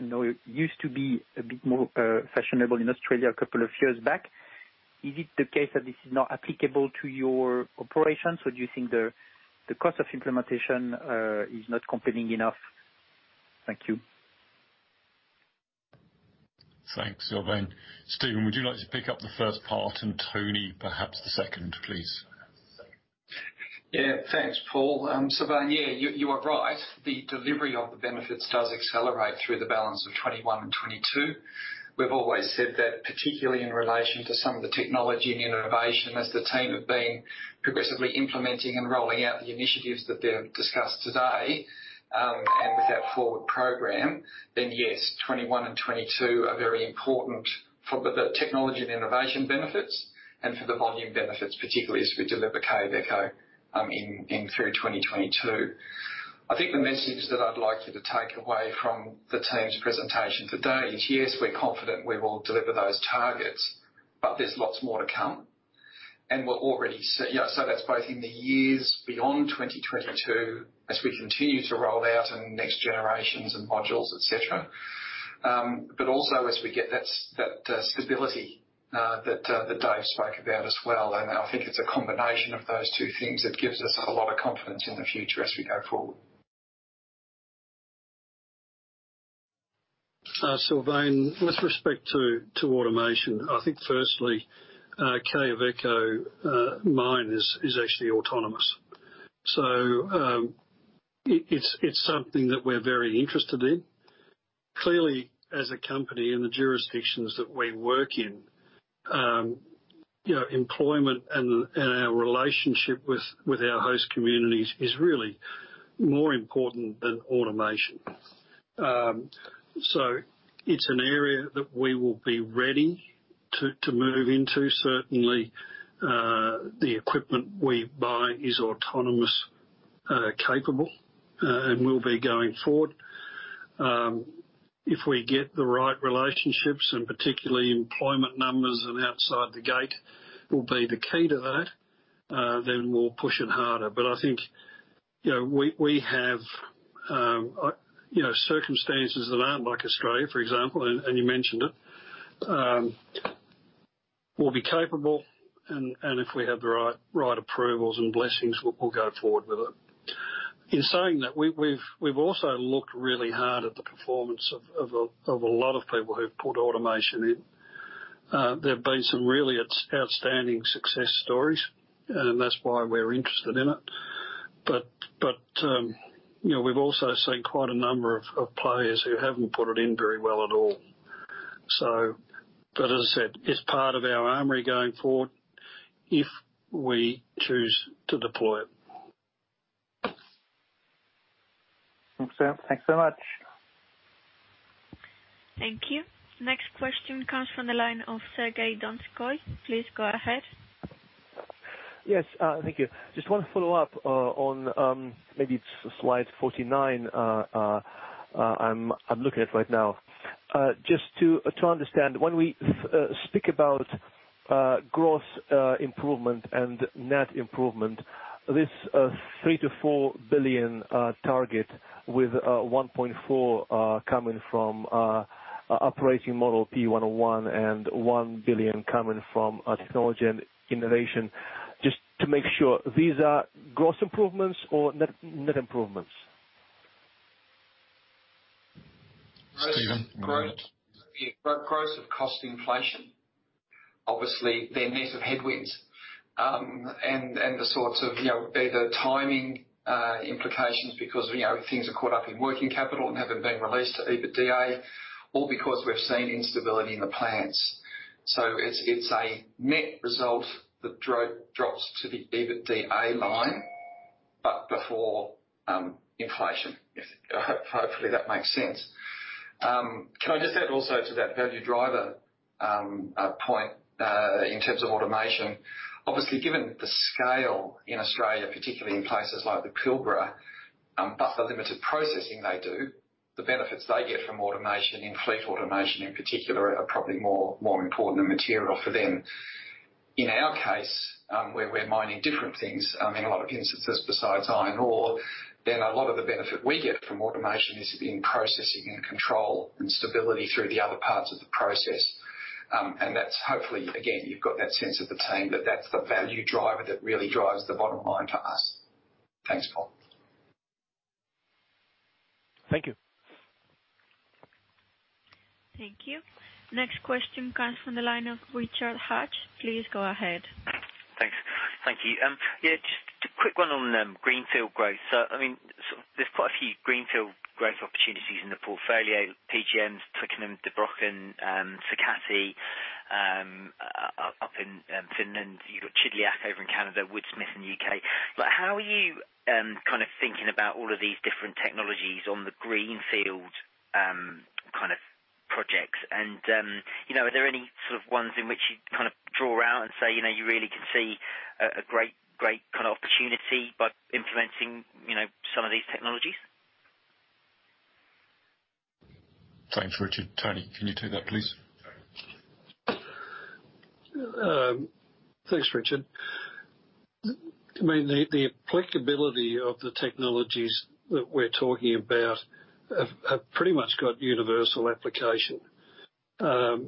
know it used to be a bit more fashionable in Australia a couple of years back. Is it the case that this is not applicable to your operations, or do you think the cost of implementation is not compelling enough? Thank you. Thanks, Sylvain. Stephen, would you like to pick up the first part and Tony, perhaps the second, please? Thanks, Paul. Sylvain, you are right. The delivery of the benefits does accelerate through the balance of 2021 and 2022. We've always said that, particularly in relation to some of the technology and innovation, as the team have been progressively implementing and rolling out the initiatives that they've discussed today, and with that forward program, then yes, 2021 and 2022 are very important for the technology and innovation benefits and for the volume benefits, particularly as we deliver Quellaveco in through 2022. I think the message that I'd like you to take away from the team's presentation today is, yes, we're confident we will deliver those targets, but there's lots more to come. That's both in the years beyond 2022 as we continue to roll out in next generations and modules, et cetera. Also, as we get that stability that Dave spoke about as well, and I think it's a combination of those two things that gives us a lot of confidence in the future as we go forward. Sylvain, with respect to automation, I think firstly, Quellaveco mine is actually autonomous. It's something that we're very interested in. Clearly, as a company in the jurisdictions that we work in, employment and our relationship with our host communities is really more important than automation. It's an area that we will be ready to move into. Certainly, the equipment we buy is autonomous-capable, and will be going forward. If we get the right relationships, and particularly employment numbers and outside the gate will be the key to that, then we'll push it harder. I think we have circumstances that aren't like Australia, for example, and you mentioned it. We'll be capable and, if we have the right approvals and blessings, we'll go forward with it. In saying that, we've also looked really hard at the performance of a lot of people who've put automation in. There have been some really outstanding success stories, and that's why we're interested in it. We've also seen quite a number of players who haven't put it in very well at all. As I said, it's part of our armory going forward if we choose to deploy it. Thanks so much. Thank you. Next question comes from the line of Sergey Donskoy. Please go ahead. Yes. Thank you. Just want to follow up on maybe slide 49. I'm looking at it right now. Just to understand, when we speak about gross improvement and net improvement, this $3 billion-$4 billion target with $1.4 billion coming from Operating Model P101 and $1 billion coming from technology and innovation, just to make sure, these are gross improvements or net improvements? Stephen. Gross of cost inflation. Obviously, they're net of headwinds, and the sorts of either timing implications because things are caught up in working capital and haven't been released to EBITDA or because we've seen instability in the plants. It's a net result that drops to the EBITDA line, but before inflation. Hopefully, that makes sense. Can I just add also to that value driver point in terms of automation? Obviously, given the scale in Australia, particularly in places like the Pilbara, but the limited processing they do, the benefits they get from automation, in fleet automation in particular, are probably more important and material for them. In our case, where we're mining different things, in a lot of instances besides iron ore, a lot of the benefit we get from automation is in processing and control and stability through the other parts of the process. That's hopefully, again, you've got that sense of the team, that that's the value driver that really drives the bottom line for us. Thanks, Paul. Thank you. Thank you. Next question comes from the line of Richard Hatch. Please go ahead. Thanks. Thank you. Yeah, just a quick one on greenfield growth. There's quite a few greenfield growth opportunities in the portfolio, PGMs, Twickenham, Der Brochen, Sakatti, up in Finland, you got Chidliak over in Canada, Woodsmith in the U.K. How are you thinking about all of these different technologies on the greenfield, kind of projects? Are there any sort of ones in which you kind of draw out and say, you really can see a great opportunity by implementing some of these technologies? Thanks, Richard. Tony, can you take that, please? Thanks, Richard. I mean, the applicability of the technologies that we're talking about have pretty much got universal application. I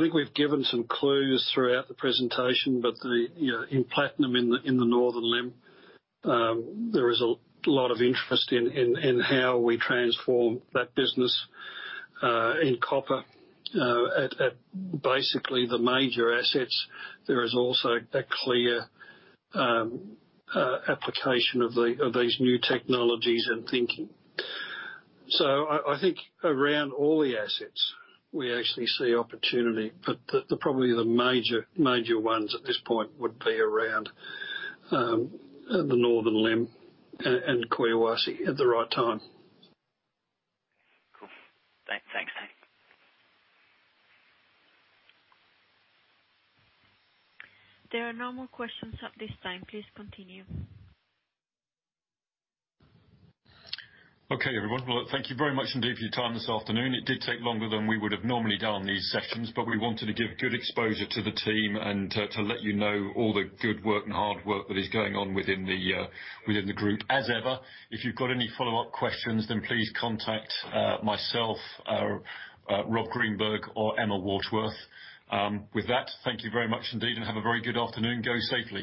think we've given some clues throughout the presentation, but in platinum in the Northern Limb, there is a lot of interest in how we transform that business. In copper, at basically the major assets, there is also a clear application of these new technologies and thinking. I think around all the assets we actually see opportunity, but probably the major ones at this point would be around the Northern Limb and Collahuasi at the right time. Cool. Thanks, Tony. There are no more questions at this time. Please continue. Okay, everyone. Well, thank you very much indeed for your time this afternoon. It did take longer than we would have normally done on these sessions, we wanted to give good exposure to the team and to let you know all the good work and hard work that is going on within the group. As ever, if you've got any follow-up questions, please contact myself or Rob Greenberg or Emma Waterworth. With that, thank you very much indeed, have a very good afternoon. Go safely.